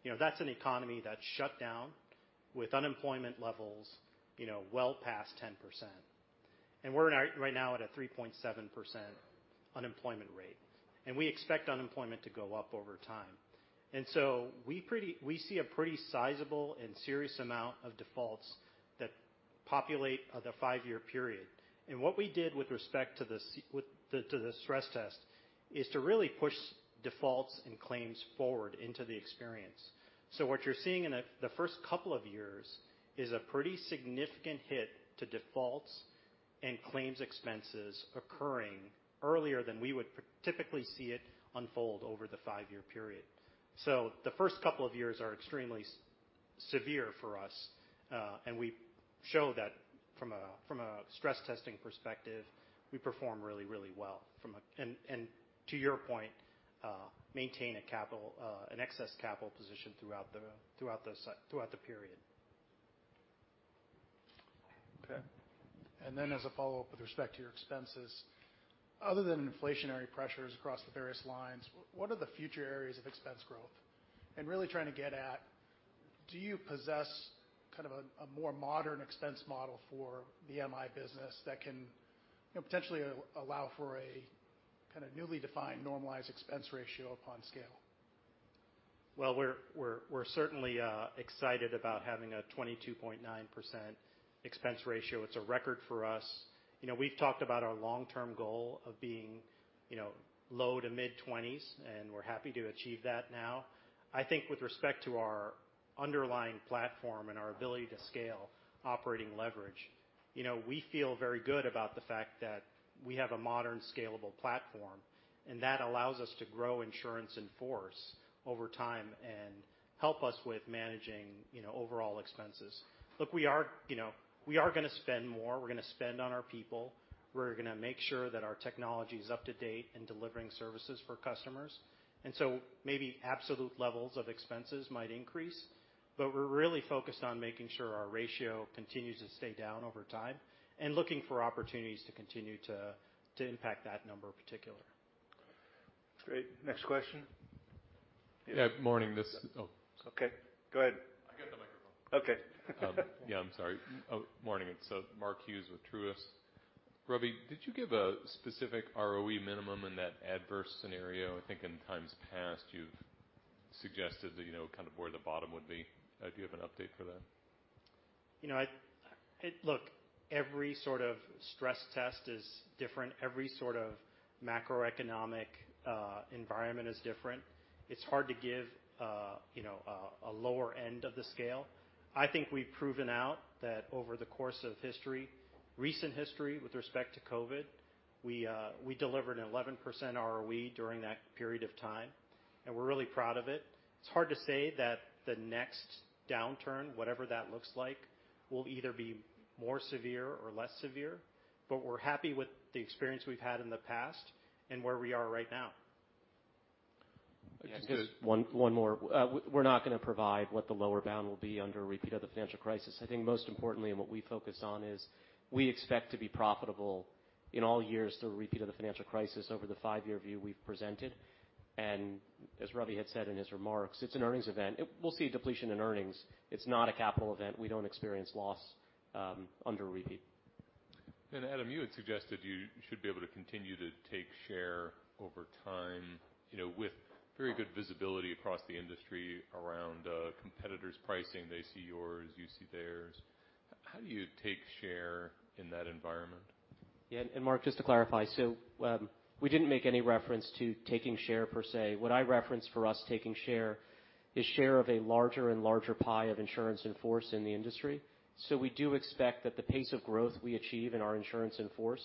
You know, that's an economy that shut down with unemployment levels, you know, well past 10%. Right now at a 3.7% unemployment rate, and we expect unemployment to go up over time. We see a pretty sizable and serious amount of defaults that populate the five-year period. What we did with respect to the stress test is to really push defaults and claims forward into the experience. What you're seeing in the first couple of years is a pretty significant hit to defaults and claims expenses occurring earlier than we would typically see it unfold over the five-year period. The first couple of years are extremely severe for us, and we show that from a stress testing perspective, we perform really well. To your point, maintain an excess capital position throughout the period. Okay. As a follow-up with respect to your expenses, other than inflationary pressures across the various lines, what are the future areas of expense growth? Really trying to get at, do you possess kind of a more modern expense model for the MI business that can, you know, potentially allow for a kinda newly defined normalized expense ratio upon scale? Well, we're certainly excited about having a 22.9% expense ratio. It's a record for us. You know, we've talked about our long-term goal of being, you know, low to mid 20%, and we're happy to achieve that now. I think with respect to our underlying platform and our ability to scale operating leverage, you know, we feel very good about the fact that we have a modern scalable platform, and that allows us to grow insurance in force over time and help us with managing, you know, overall expenses. Look, you know, we are gonna spend more. We're gonna spend on our people. We're gonna make sure that our technology is up to date in delivering services for customers. Maybe absolute levels of expenses might increase, but we're really focused on making sure our ratio continues to stay down over time and looking for opportunities to continue to impact that number in particular. Great. Next question. Yeah. Morning. Okay, go ahead. I got the microphone. Okay. Yeah, I'm sorry. Oh, morning. Mark Hughes with Truist. Ravi, did you give a specific ROE minimum in that adverse scenario? I think in times past, you've suggested that you know kind of where the bottom would be. Do you have an update for that? You know, look, every sort of stress test is different. Every sort of macroeconomic environment is different. It's hard to give, you know, a lower end of the scale. I think we've proven out that over the course of history, recent history with respect to COVID, we delivered an 11% ROE during that period of time, and we're really proud of it. It's hard to say that the next downturn, whatever that looks like, will either be more severe or less severe, but we're happy with the experience we've had in the past and where we are right now. Yeah. Go ahead. Just one more. We're not gonna provide what the lower bound will be under a repeat of the financial crisis. I think most importantly and what we focus on is we expect to be profitable in all years through a repeat of the financial crisis over the five-year view we've presented. As Ravi had said in his remarks, it's an earnings event. We'll see a depletion in earnings. It's not a capital event. We don't experience loss under a repeat. Adam, you had suggested you should be able to continue to take share over time, you know, with very good visibility across the industry around competitors' pricing. They see yours, you see theirs. How do you take share in that environment? Yeah. Mark, just to clarify, we didn't make any reference to taking share per se. What I referenced for us taking share is share of a larger and larger pie of insurance in force in the industry. We do expect that the pace of growth we achieve in our insurance in force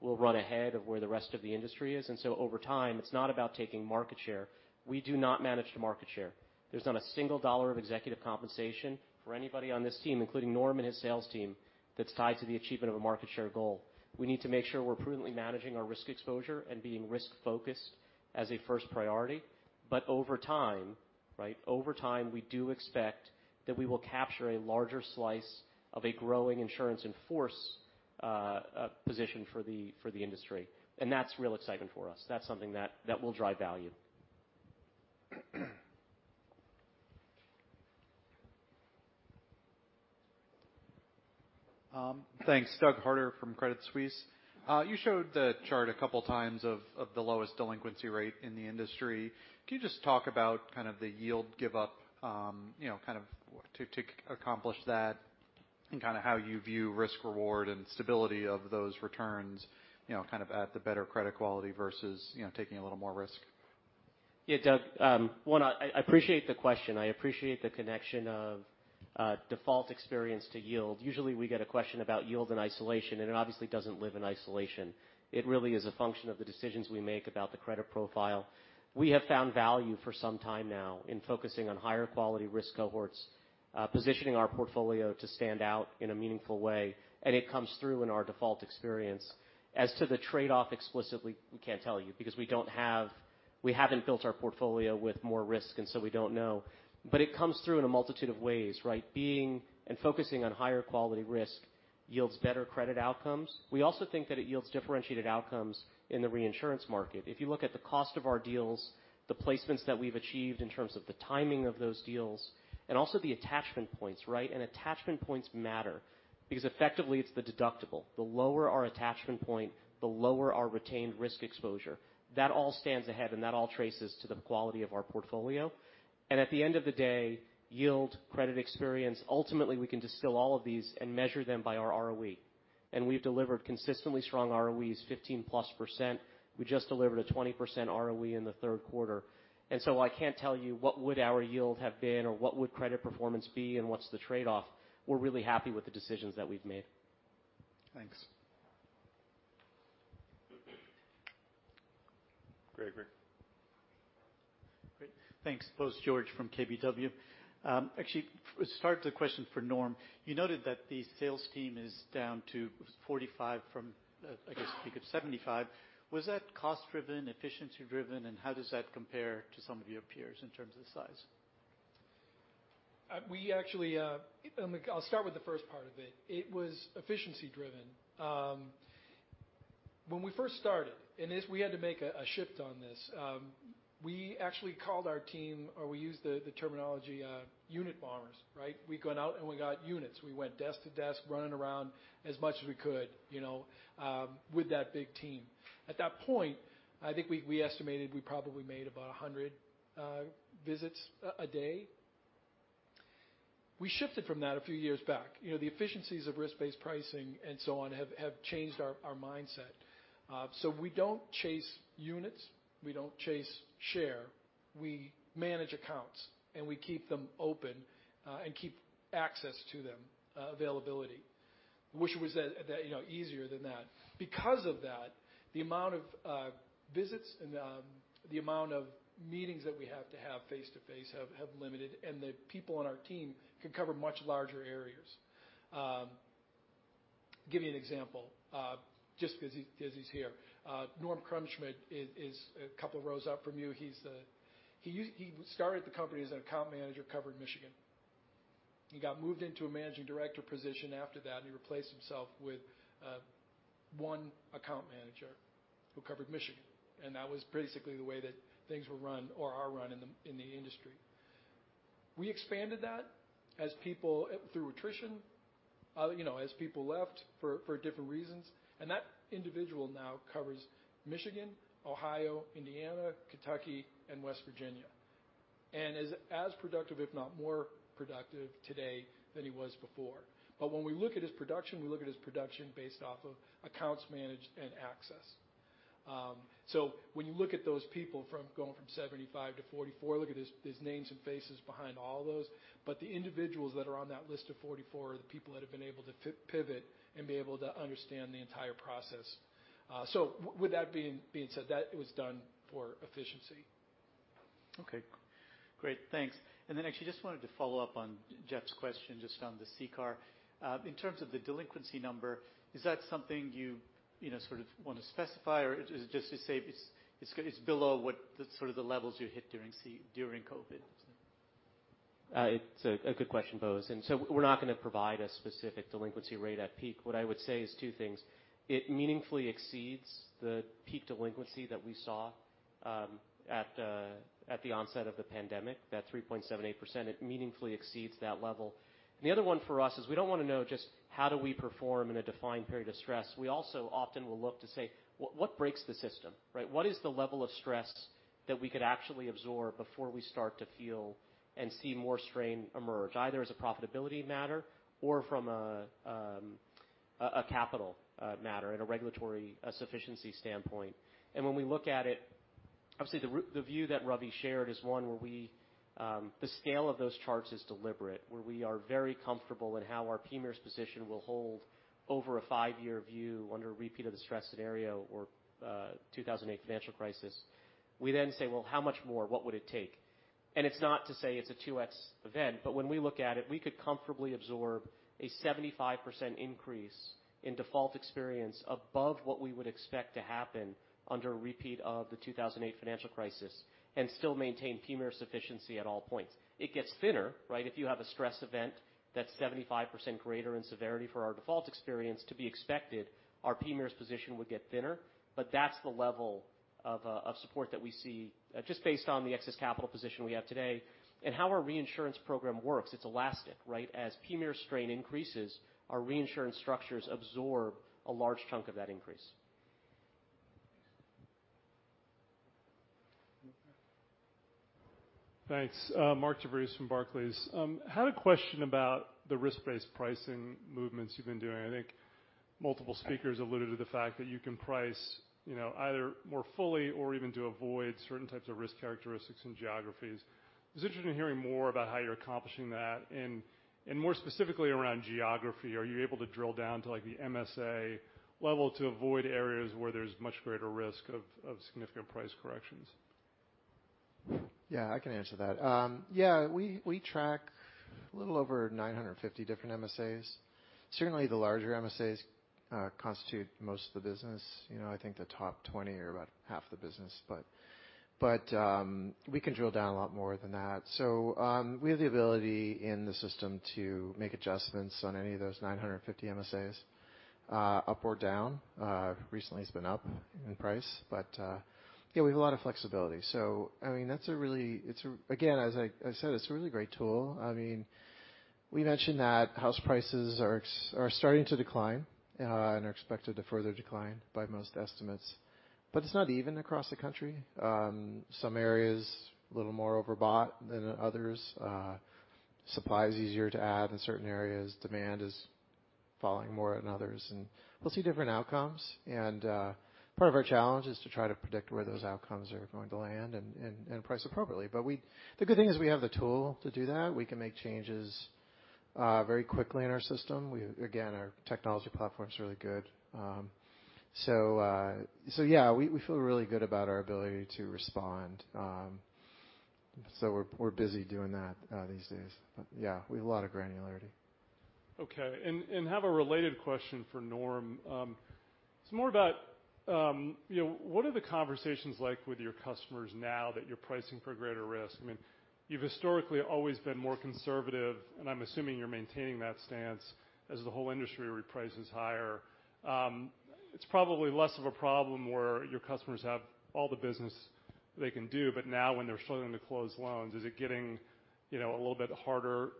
will run ahead of where the rest of the industry is. Over time, it's not about taking market share. We do not manage the market share. There's not a single dollar of executive compensation for anybody on this team, including Norm and his sales team, that's tied to the achievement of a market share goal. We need to make sure we're prudently managing our risk exposure and being risk-focused as a first priority. Over time, right, over time, we do expect that we will capture a larger slice of a growing insurance in force position for the industry. That's real exciting for us. That's something that will drive value. Thanks. Doug Harter from Credit Suisse. You showed the chart a couple times of the lowest delinquency rate in the industry. Can you just talk about kind of the yield give up, you know, kind of to accomplish that and kind of how you view risk-reward and stability of those returns, you know, kind of at the better credit quality versus, you know, taking a little more risk? Yeah, Doug, one, I appreciate the question. I appreciate the connection of default experience to yield. Usually, we get a question about yield in isolation, and it obviously doesn't live in isolation. It really is a function of the decisions we make about the credit profile. We have found value for some time now in focusing on higher quality risk cohorts, positioning our portfolio to stand out in a meaningful way, and it comes through in our default experience. As to the trade-off explicitly, we can't tell you because we haven't built our portfolio with more risk, and so we don't know. It comes through in a multitude of ways, right? Being and focusing on higher quality risk yields better credit outcomes. We also think that it yields differentiated outcomes in the reinsurance market. If you look at the cost of our deals, the placements that we've achieved in terms of the timing of those deals and also the attachment points, right? Attachment points matter because effectively it's the deductible. The lower our attachment point, the lower our retained risk exposure. That all stands ahead and that all traces to the quality of our portfolio. At the end of the day, yield, credit experience, ultimately, we can distill all of these and measure them by our ROE. We've delivered consistently strong ROEs, 15%+. We just delivered a 20% ROE in the third quarter. I can't tell you what would our yield have been or what would credit performance be and what's the trade-off. We're really happy with the decisions that we've made. Thanks. Gregory. Great. Thanks. Bose George from KBW. Actually, start the question for Norm. You noted that the sales team is down to 45 from, I guess you could 75. Was that cost-driven, efficiency-driven, and how does that compare to some of your peers in terms of size? I'll start with the first part of it. It was efficiency driven. When we first started, we had to make a shift on this, we actually called our team or we used the terminology unit bombers, right? We gone out and we got units. We went desk to desk, running around as much as we could, you know, with that big team. At that point, I think we estimated we probably made about 100 visits a day. We shifted from that a few years back. You know, the efficiencies of risk-based pricing and so on have changed our mindset. We don't chase units. We don't chase share. We manage accounts, and we keep them open and keep access to them, availability. Wish it was that, you know, easier than that. Because of that, the amount of visits and the amount of meetings that we have to have face-to-face have limited, and the people on our team can cover much larger areas. Give you an example, just 'cause he's here. Norm Krumpschmid is a couple rows up from you. He started the company as an account manager covering Michigan. He got moved into a managing director position after that, and he replaced himself with one account manager who covered Michigan. That was basically the way that things were run or are run in the industry. We expanded that as people, through attrition, you know, as people left for different reasons. That individual now covers Michigan, Ohio, Indiana, Kentucky, and West Virginia, and is as productive, if not more productive today than he was before. When we look at his production, we look at his production based off of accounts managed and access. When you look at those people from going from 75 to 44, look at his names and faces behind all those, but the individuals that are on that list of 44 are the people that have been able to pivot and be able to understand the entire process. With that being said, that was done for efficiency. Okay. Great. Thanks. Actually just wanted to follow up on Jeff's question just on the CCAR. In terms of the delinquency number, is that something you know, sort of want to specify, or is it just to say it's below what the sort of the levels you hit during COVID? Uh, it's a good question, Bose. And so we're not gonna provide a specific delinquency rate at peak. What I would say is two things: It meaningfully exceeds the peak delinquency that we saw, um, at, uh, at the onset of the pandemic, that three point seven eight percent. It meaningfully exceeds that level. The other one for us is we don't wanna know just how do we perform in a defined period of stress. We also often will look to say, "Well, what breaks the system?" Right? What is the level of stress that we could actually absorb before we start to feel and see more strain emerge, either as a profitability matter or from a, um, a capital, uh, matter and a regulatory sufficiency standpoint. When we look at it, obviously, the view that Ravi shared is one where the scale of those charts is deliberate, where we are very comfortable in how our PMIERs position will hold over a five-year view under a repeat of the stress scenario or 2008 financial crisis. We then say, "Well, how much more? What would it take?" It's not to say it's a 2x event, but when we look at it, we could comfortably absorb a 75% increase in default experience above what we would expect to happen under a repeat of the 2008 financial crisis and still maintain PMIERs sufficiency at all points. It gets thinner, right? If you have a stress event that's 75% greater in severity for our default experience to be expected, our PMIERs position would get thinner. That's the level of support that we see just based on the excess capital position we have today. How our reinsurance program works, it's elastic, right? As PMIERs strain increases, our reinsurance structures absorb a large chunk of that increase. Okay. Thanks. Mark DeVries from Barclays. Had a question about the risk-based pricing movements you've been doing. I think multiple speakers alluded to the fact that you can price, you know, either more fully or even to avoid certain types of risk characteristics and geographies. Just interested in hearing more about how you're accomplishing that and more specifically around geography. Are you able to drill down to, like, the MSA level to avoid areas where there's much greater risk of significant price corrections? Yeah, I can answer that. Yeah, we track a little over 950 different MSAs. Certainly, the larger MSAs constitute most of the business. You know, I think the top 20 are about half the business. We can drill down a lot more than that. We have the ability in the system to make adjustments on any of those 950 MSAs up or down. Recently it's been up in price, but yeah, we have a lot of flexibility. I mean, again, as I said, it's a really great tool. I mean, we mentioned that house prices are starting to decline and are expected to further decline by most estimates. It's not even across the country/ Some areas a little more overbought than others. Supply is easier to add in certain areas. Demand is falling more than others, and we'll see different outcomes. Part of our challenge is to try to predict where those outcomes are going to land and price appropriately. The good thing is we have the tool to do that. We can make changes very quickly in our system. Again, our technology platform is really good. Yeah, we feel really good about our ability to respond. We're busy doing that these days. Yeah, we have a lot of granularity. Okay. Have a related question for Norm. It's more about, you know, what are the conversations like with your customers now that you're pricing for greater risk? I mean, you've historically always been more conservative, and I'm assuming you're maintaining that stance as the whole industry reprices higher. It's probably less of a problem where your customers have all the business they can do, but now when they're slowing to close loans, is it getting, you know, a little bit harder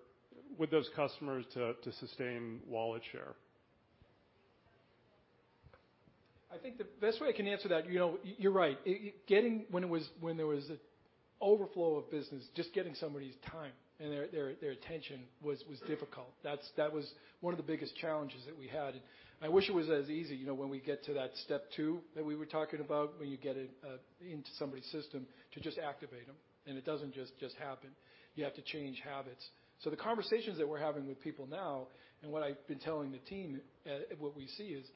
with those customers to sustain wallet share? I think the best way I can answer that, you know, you're right. When there was an overflow of business, just getting somebody's time and their attention was difficult. That was one of the biggest challenges that we had. I wish it was as easy, you know, when we get to that step two that we were talking about, when you get into somebody's system to just activate them, and it doesn't just happen. You have to change habits. The conversations that we're having with people now, and what I've been telling the team, what we see is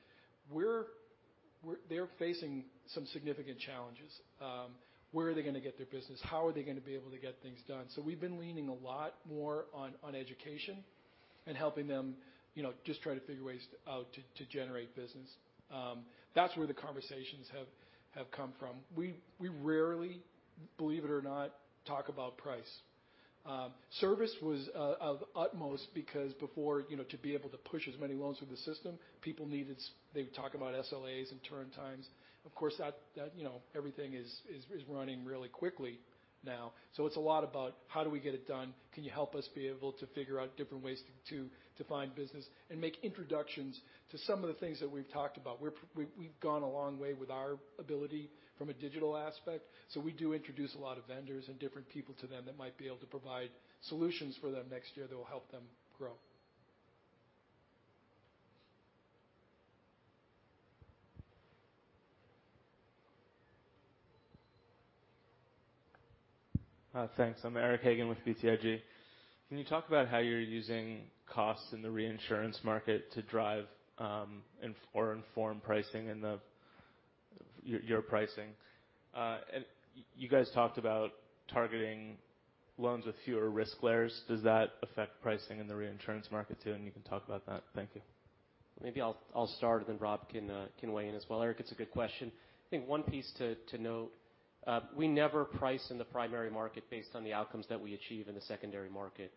they're facing some significant challenges. Where are they gonna get their business? How are they gonna be able to get things done? We've been leaning a lot more on education and helping them, you know, just try to figure ways out to generate business. That's where the conversations have come from. We rarely, believe it or not, talk about price. Service was of utmost because before, you know, to be able to push as many loans through the system, they would talk about SLAs and turn times. Of course, that, you know, everything is running really quickly now. It's a lot about how do we get it done? Can you help us be able to figure out different ways to find business and make introductions to some of the things that we've talked about? We've gone a long way with our ability from a digital aspect, so we do introduce a lot of vendors and different people to them that might be able to provide solutions for them next year that will help them grow. Thanks. I'm Eric Hagen with BTIG. Can you talk about how you're using costs in the reinsurance market to drive or inform your pricing? You guys talked about targeting loans with fewer risk layers. Does that affect pricing in the reinsurance market, too? You can talk about that. Thank you. Maybe I'll start, and then Rob can weigh in as well. Eric, it's a good question. I think one piece to note, we never price in the primary market based on the outcomes that we achieve in the secondary market.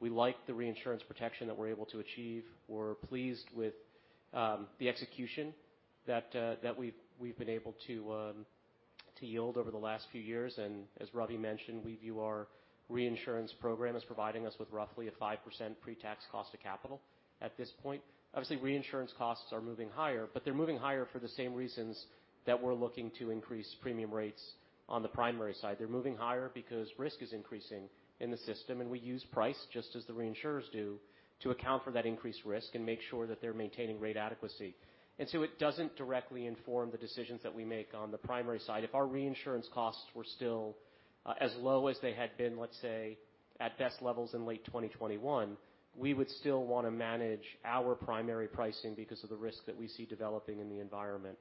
We like the reinsurance protection that we're able to achieve. We're pleased with the execution that we've been able to yield over the last few years. As Ravi mentioned, we view our reinsurance program as providing us with roughly a 5% pre-tax cost of capital at this point. Obviously, reinsurance costs are moving higher, but they're moving higher for the same reasons that we're looking to increase premium rates on the primary side. They're moving higher because risk is increasing in the system, and we use price just as the reinsurers do to account for that increased risk and make sure that they're maintaining rate adequacy. It doesn't directly inform the decisions that we make on the primary side. If our reinsurance costs were still as low as they had been, let's say, at best levels in late 2021, we would still wanna manage our primary pricing because of the risk that we see developing in the environment.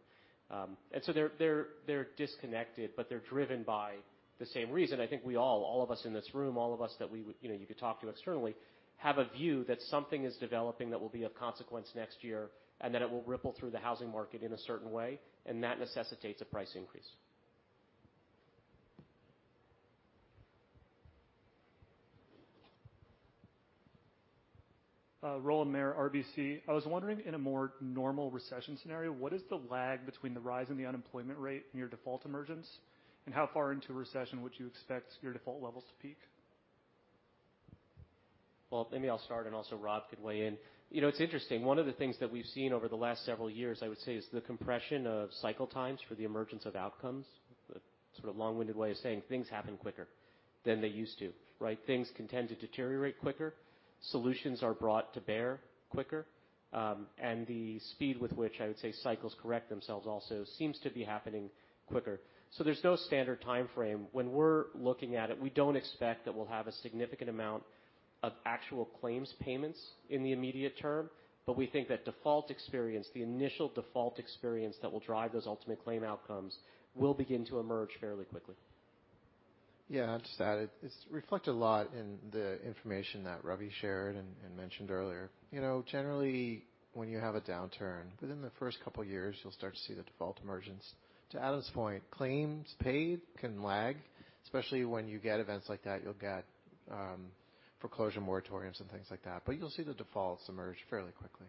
They're disconnected, but they're driven by the same reason. I think all of us in this room, all of us that, you know, you could talk to externally, have a view that something is developing that will be of consequence next year, and that it will ripple through the housing market in a certain way, and that necessitates a price increase. Roland Meyer, RBC. I was wondering in a more normal recession scenario, what is the lag between the rise in the unemployment rate and your default emergence, and how far into recession would you expect your default levels to peak? Well, maybe I'll start, and also Rob could weigh in. You know, it's interesting. One of the things that we've seen over the last several years, I would say, is the compression of cycle times for the emergence of outcomes. Sort of long-winded way of saying things happen quicker than they used to, right? Things can tend to deteriorate quicker. Solutions are brought to bear quicker. The speed with which I would say cycles correct themselves also seems to be happening quicker. There's no standard timeframe. When we're looking at it, we don't expect that we'll have a significant amount. Of actual claims payments in the immediate term, but we think that default experience, the initial default experience that will drive those ultimate claim outcomes will begin to emerge fairly quickly. Yeah, I'll just add, it's reflected a lot in the information that Ravi shared and mentioned earlier. You know, generally, when you have a downturn, within the first couple of years you'll start to see the default emergence. To Adam's point, claims paid can lag, especially when you get events like that. You'll get foreclosure moratoriums and things like that. You'll see the defaults emerge fairly quickly.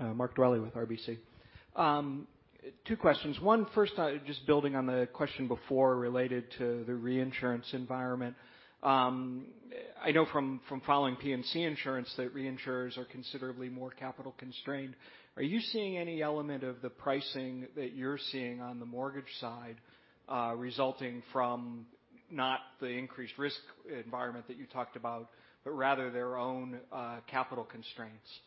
Mark Dwelle with RBC. Two questions. One, first, just building on the question before related to the reinsurance environment, I know from following P&C Insurance that reinsurers are considerably more capital constrained. Are you seeing any element of the pricing that you're seeing on the mortgage side resulting from not the increased risk environment that you talked about, but rather their own capital constraints?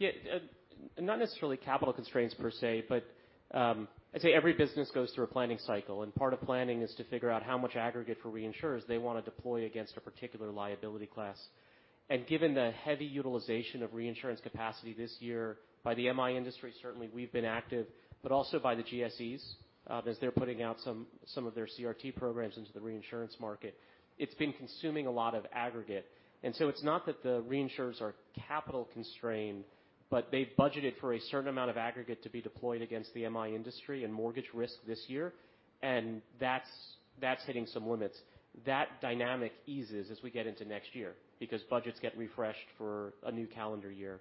Yeah. Not necessarily capital constraints per se, but I'd say every business goes through a planning cycle, and part of planning is to figure out how much aggregate for reinsurers they wanna deploy against a particular liability class. Given the heavy utilization of reinsurance capacity this year by the M.I. industry, certainly we've been active, but also by the GSEs as they're putting out some of their CRT programs into the reinsurance market. It's been consuming a lot of aggregate. It's not that the reinsurers are capital constrained, but they've budgeted for a certain amount of aggregate to be deployed against the M.I. industry and mortgage risk this year, and that's hitting some limits. That dynamic eases as we get into next year because budgets get refreshed for a new calendar year.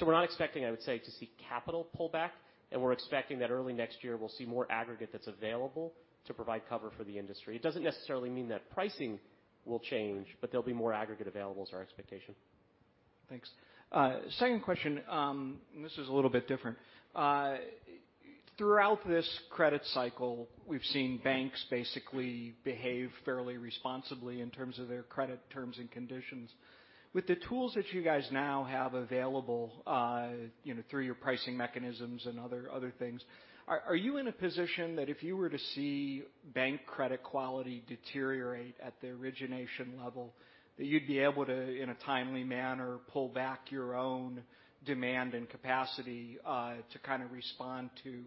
We're not expecting, I would say, to see capital pull back, and we're expecting that early next year we'll see more aggregate that's available to provide cover for the industry. It doesn't necessarily mean that pricing will change, but there'll be more aggregate available is our expectation. Thanks. Second question, this is a little bit different. Throughout this credit cycle, we've seen banks basically behave fairly responsibly in terms of their credit terms and conditions. With the tools that you guys now have available, you know, through your pricing mechanisms and other things, are you in a position that if you were to see bank credit quality deteriorate at the origination level, that you'd be able to, in a timely manner, pull back your own demand and capacity to kind of respond to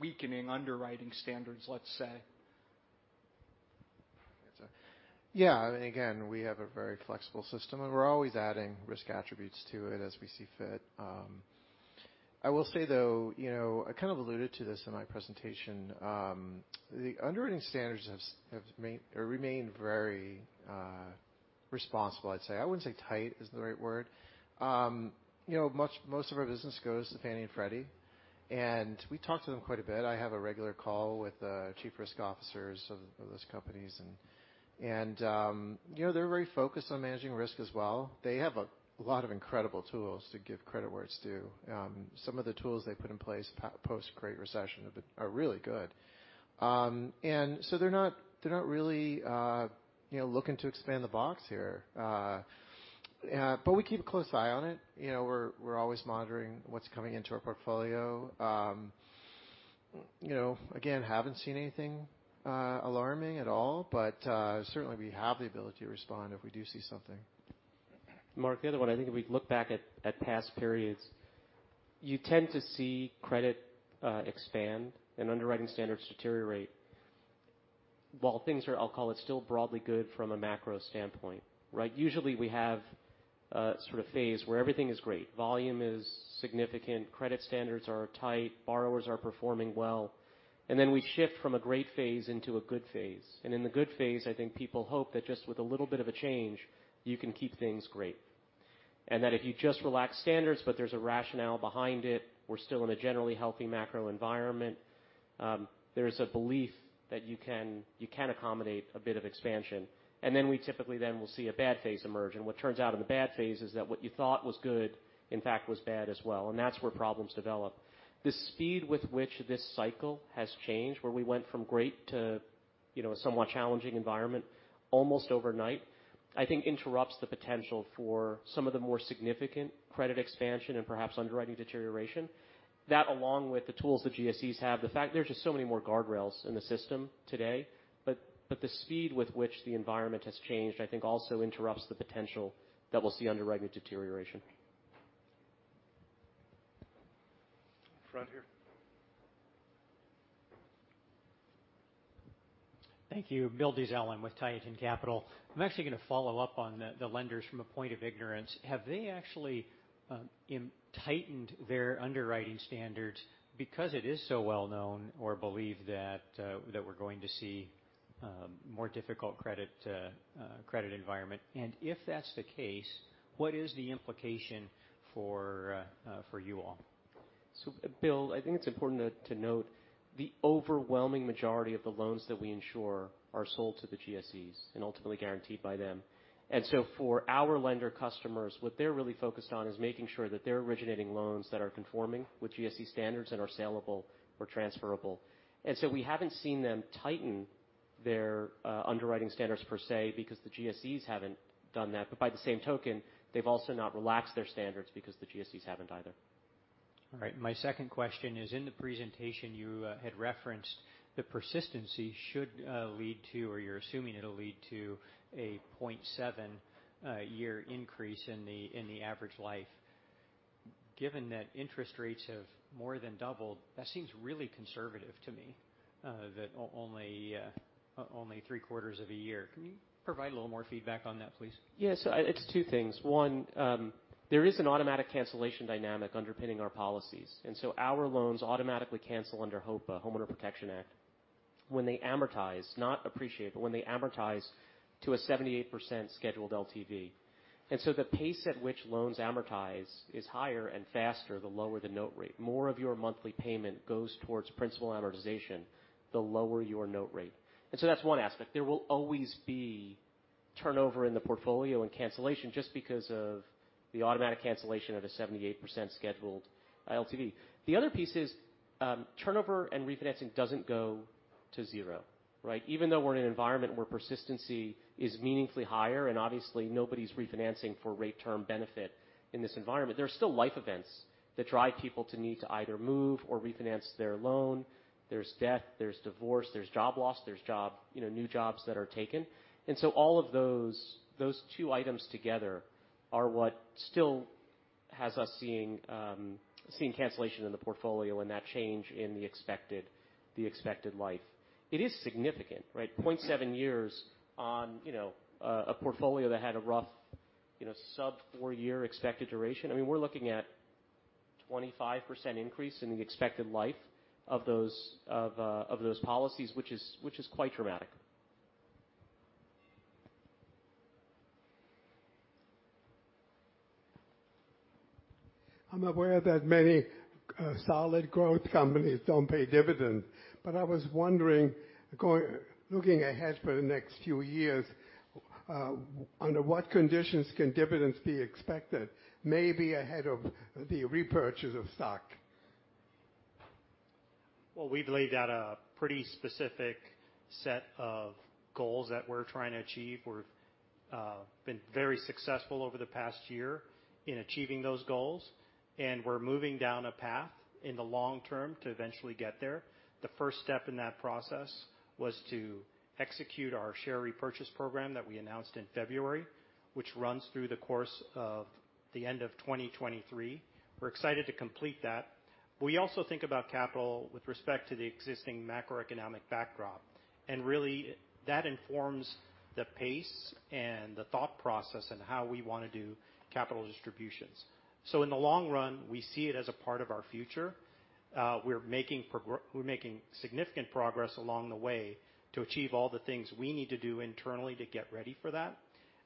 weakening underwriting standards, let's say? Yeah. I mean, again, we have a very flexible system, and we're always adding risk attributes to it as we see fit. I will say, though, you know, I kind of alluded to this in my presentation. The underwriting standards remain very responsible, I'd say. I wouldn't say tight is the right word. You know, most of our business goes to Fannie and Freddie, and we talk to them quite a bit. I have a regular call with the Chief Risk Officers of those companies, and, you know, they're very focused on managing risk as well. They have a lot of incredible tools to give credit where it's due. Some of the tools they put in place post-Great Recession are really good. They're not really, you know, looking to expand the box here. We keep a close eye on it. You know, we're always monitoring what's coming into our portfolio. You know, again, haven't seen anything alarming at all. Certainly we have the ability to respond if we do see something. Mark, the other one, I think if we look back at past periods, you tend to see credit expand and underwriting standards deteriorate while things are, I'll call it, still broadly good from a macro standpoint, right? Usually, we have a sort of phase where everything is great. Volume is significant, credit standards are tight, borrowers are performing well. We shift from a great phase into a good phase. In the good phase, I think people hope that just with a little bit of a change, you can keep things great. If you just relax standards but there's a rationale behind it, we're still in a generally healthy macro environment, there's a belief that you can accommodate a bit of expansion. We typically then will see a bad phase emerge. What turns out in the bad phase is that what you thought was good, in fact, was bad as well, and that's where problems develop. The speed with which this cycle has changed, where we went from great to, you know, a somewhat challenging environment almost overnight, I think interrupts the potential for some of the more significant credit expansion and perhaps underwriting deterioration. That, along with the tools that GSEs have, the fact there are just so many more guardrails in the system today. The speed with which the environment has changed, I think also interrupts the potential that we'll see underwriting deterioration. Front here. Thank you. Bill Dezellem with Tieton Capital. I'm actually gonna follow up on the lenders from a point of ignorance. Have they actually tightened their underwriting standards because it is so well known or believed that we're going to see more difficult credit environment? If that's the case, what is the implication for you all? Bill, I think it's important to note the overwhelming majority of the loans that we insure are sold to the GSEs and ultimately guaranteed by them. For our lender customers, what they're really focused on is making sure that they're originating loans that are conforming with GSE standards and are saleable or transferable. We haven't seen them tighten their underwriting standards per se because the GSEs haven't done that. By the same token, they've also not relaxed their standards because the GSEs haven't either. All right. My second question is, in the presentation you had referenced the persistency should lead to, or you're assuming it'll lead to a 0.7 year increase in the average life. Given that interest rates have more than doubled, that seems really conservative to me, that only three-quarters of a year. Can you provide a little more feedback on that, please? Yes. It's two things. One, there is an automatic cancellation dynamic underpinning our policies. Our loans automatically cancel under HPA, Homeowners Protection Act, when they amortize, not appreciate, but when they amortize to a 78% scheduled LTV. The pace at which loans amortize is higher and faster the lower the note rate. More of your monthly payment goes towards principal amortization, the lower your note rate. That's one aspect. There will always be turnover in the portfolio and cancellation just because of the automatic cancellation of a 78% scheduled LTV. The other piece is turnover and refinancing doesn't go to zero, right? Even though we're in an environment where persistency is meaningfully higher and obviously nobody's refinancing for rate term benefit in this environment, there's still life events that drive people to need to either move or refinance their loan. There's death, there's divorce, there's job loss, there's, you know, new jobs that are taken. All of those two items together are what still has us seeing cancellation in the portfolio and that change in the expected life. It is significant, right? 0.7 years on, you know, a portfolio that had a rough, you know, sub four-year expected duration. I mean, we're looking at 25% increase in the expected life of those policies, which is quite dramatic. I'm aware that many solid growth companies don't pay dividend, but I was wondering, looking ahead for the next few years, under what conditions can dividends be expected, maybe ahead of the repurchase of stock? Well, we've laid out a pretty specific set of goals that we're trying to achieve. We've been very successful over the past year in achieving those goals, and we're moving down a path in the long term to eventually get there. The first step in that process was to execute our share repurchase program that we announced in February, which runs through the course of the end of 2023. We're excited to complete that. We also think about capital with respect to the existing macroeconomic backdrop. Really, that informs the pace and the thought process and how we wanna do capital distributions. In the long run, we see it as a part of our future. We're making significant progress along the way to achieve all the things we need to do internally to get ready for that.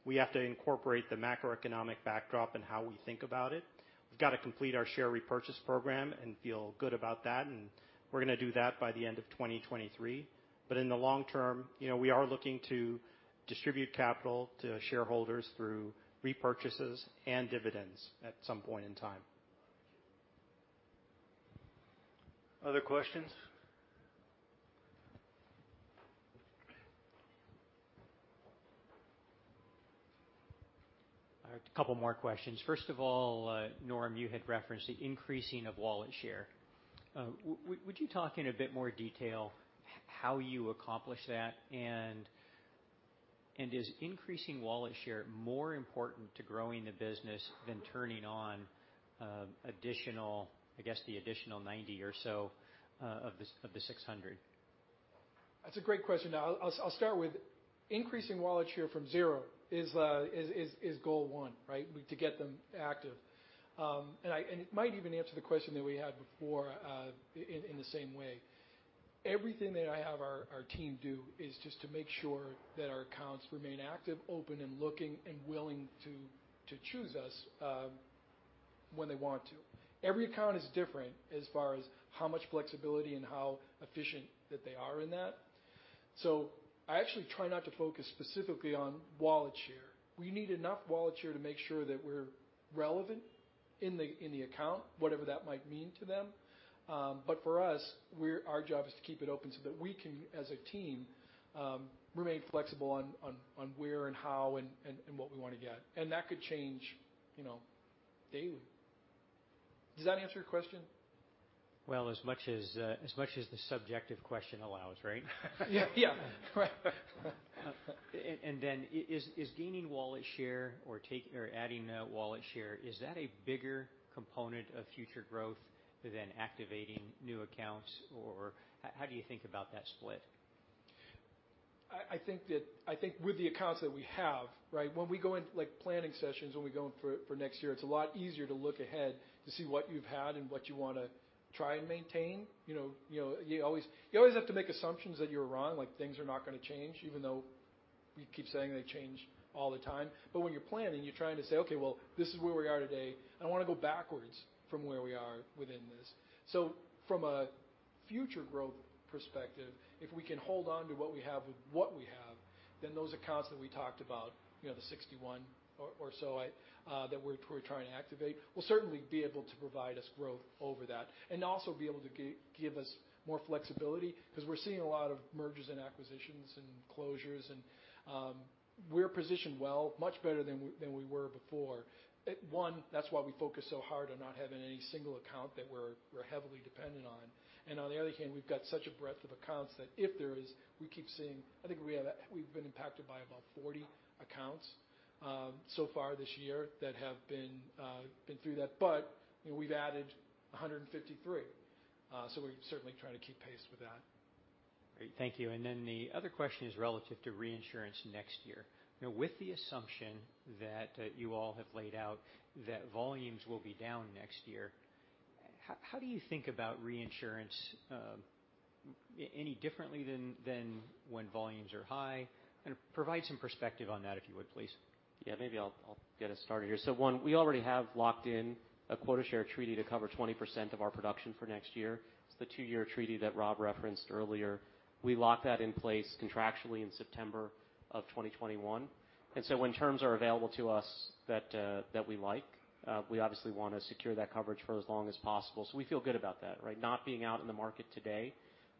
We have to incorporate the macroeconomic backdrop and how we think about it. We've got to complete our share repurchase program and feel good about that, and we're gonna do that by the end of 2023. In the long term, you know, we are looking to distribute capital to shareholders through repurchases and dividends at some point in time. Other questions? A couple more questions. First of all, Norm, you had referenced the increasing of wallet share. Would you talk in a bit more detail how you accomplish that? Is increasing wallet share more important to growing the business than turning on, I guess, the additional 90 or so of the 600? That's a great question. Now, I'll start with increasing wallet share from zero is goal one, right? We have to get them active. It might even answer the question that we had before in the same way. Everything that I have our team do is just to make sure that our accounts remain active, open and looking and willing to choose us when they want to. Every account is different as far as how much flexibility and how efficient that they are in that. I actually try not to focus specifically on wallet share. We need enough wallet share to make sure that we're relevant in the account, whatever that might mean to them. For us, our job is to keep it open so that we can, as a team, remain flexible on where and how and what we wanna get. That could change, you know, daily. Does that answer your question? Well, as much as the subjective question allows, right? Yeah. Yeah. Right. Is gaining wallet share or adding wallet share, is that a bigger component of future growth than activating new accounts? How do you think about that split? I think with the accounts that we have, right, when we go in, like, planning sessions, when we go in for next year, it's a lot easier to look ahead to see what you've had and what you wanna try and maintain. You know, you always have to make assumptions that you're wrong, like things are not gonna change even though we keep saying they change all the time. When you're planning, you're trying to say, okay, well, this is where we are today, and I wanna go backwards from where we are within this. Then those accounts that we talked about, you know, the sixty-one or so I, uh, that we're trying to activate, will certainly be able to provide us growth over that and also be able to gi-give us more flexibility because we're seeing a lot of mergers and acquisitions and closures and, um, we're positioned well, much better than we, than we were before. One, that's why we focus so hard on not having any single account that we're heavily dependent on. And on the other hand, we've got such a breadth of accounts that if there is, we keep seeing I think we have-- we've been impacted by about forty accounts, um, so far this year that have been, uh, been through that. But, you know, we've added a hundred and fifty-three, uh, so we're certainly trying to keep pace with that. Great. Thank you. The other question is relative to reinsurance next year. You know, with the assumption that you all have laid out that volumes will be down next year, how do you think about reinsurance any differently than when volumes are high? Provide some perspective on that, if you would, please. Yeah, maybe I'll get us started here. One, we already have locked in a quota share treaty to cover 20% of our production for next year. It's the two year treaty that Rob referenced earlier. We locked that in place contractually in September of 2021. When terms are available to us that we like, we obviously wanna secure that coverage for as long as possible. We feel good about that, right? Not being out in the market today,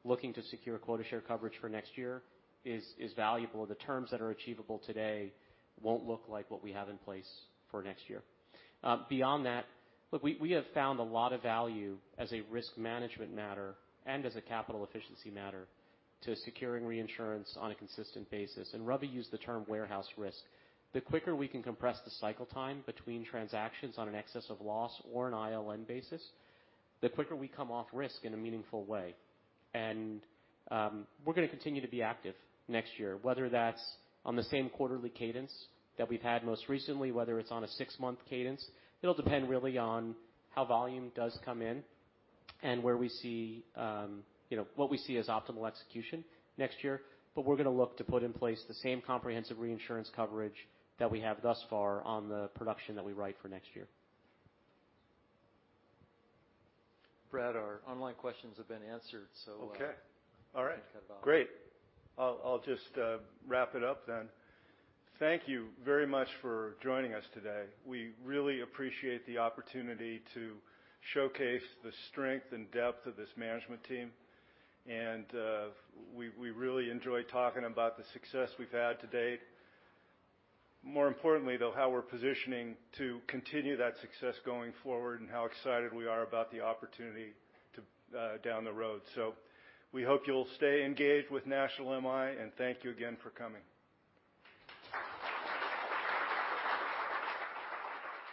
looking to secure quota share coverage for next year is valuable. The terms that are achievable today won't look like what we have in place for next year. Beyond that, look, we have found a lot of value as a risk management matter and as a capital efficiency matter to securing reinsurance on a consistent basis. And Robbie used the term warehouse risk. The quicker we can compress the cycle time between transactions on an excess of loss or an ILN basis, the quicker we come off risk in a meaningful way. And, um, we're gonna continue to be active next year, whether that's on the same quarterly cadence that we've had most recently, whether it's on a six-month cadence. It'll depend really on how volume does come in and where we see, um, you know, what we see as optimal execution next year. But we're gonna look to put in place the same comprehensive reinsurance coverage that we have thus far on the production that we write for next year. Brad, our online questions have been answered. Okay. All right. You can cut it off. Great. I'll just wrap it up then. Thank you very much for joining us today. We really appreciate the opportunity to showcase the strength and depth of this management team, and we really enjoy talking about the success we've had to date. More importantly, though, how we're positioning to continue that success going forward and how excited we are about the opportunity to down the road. We hope you'll stay engaged with National MI, and thank you again for coming.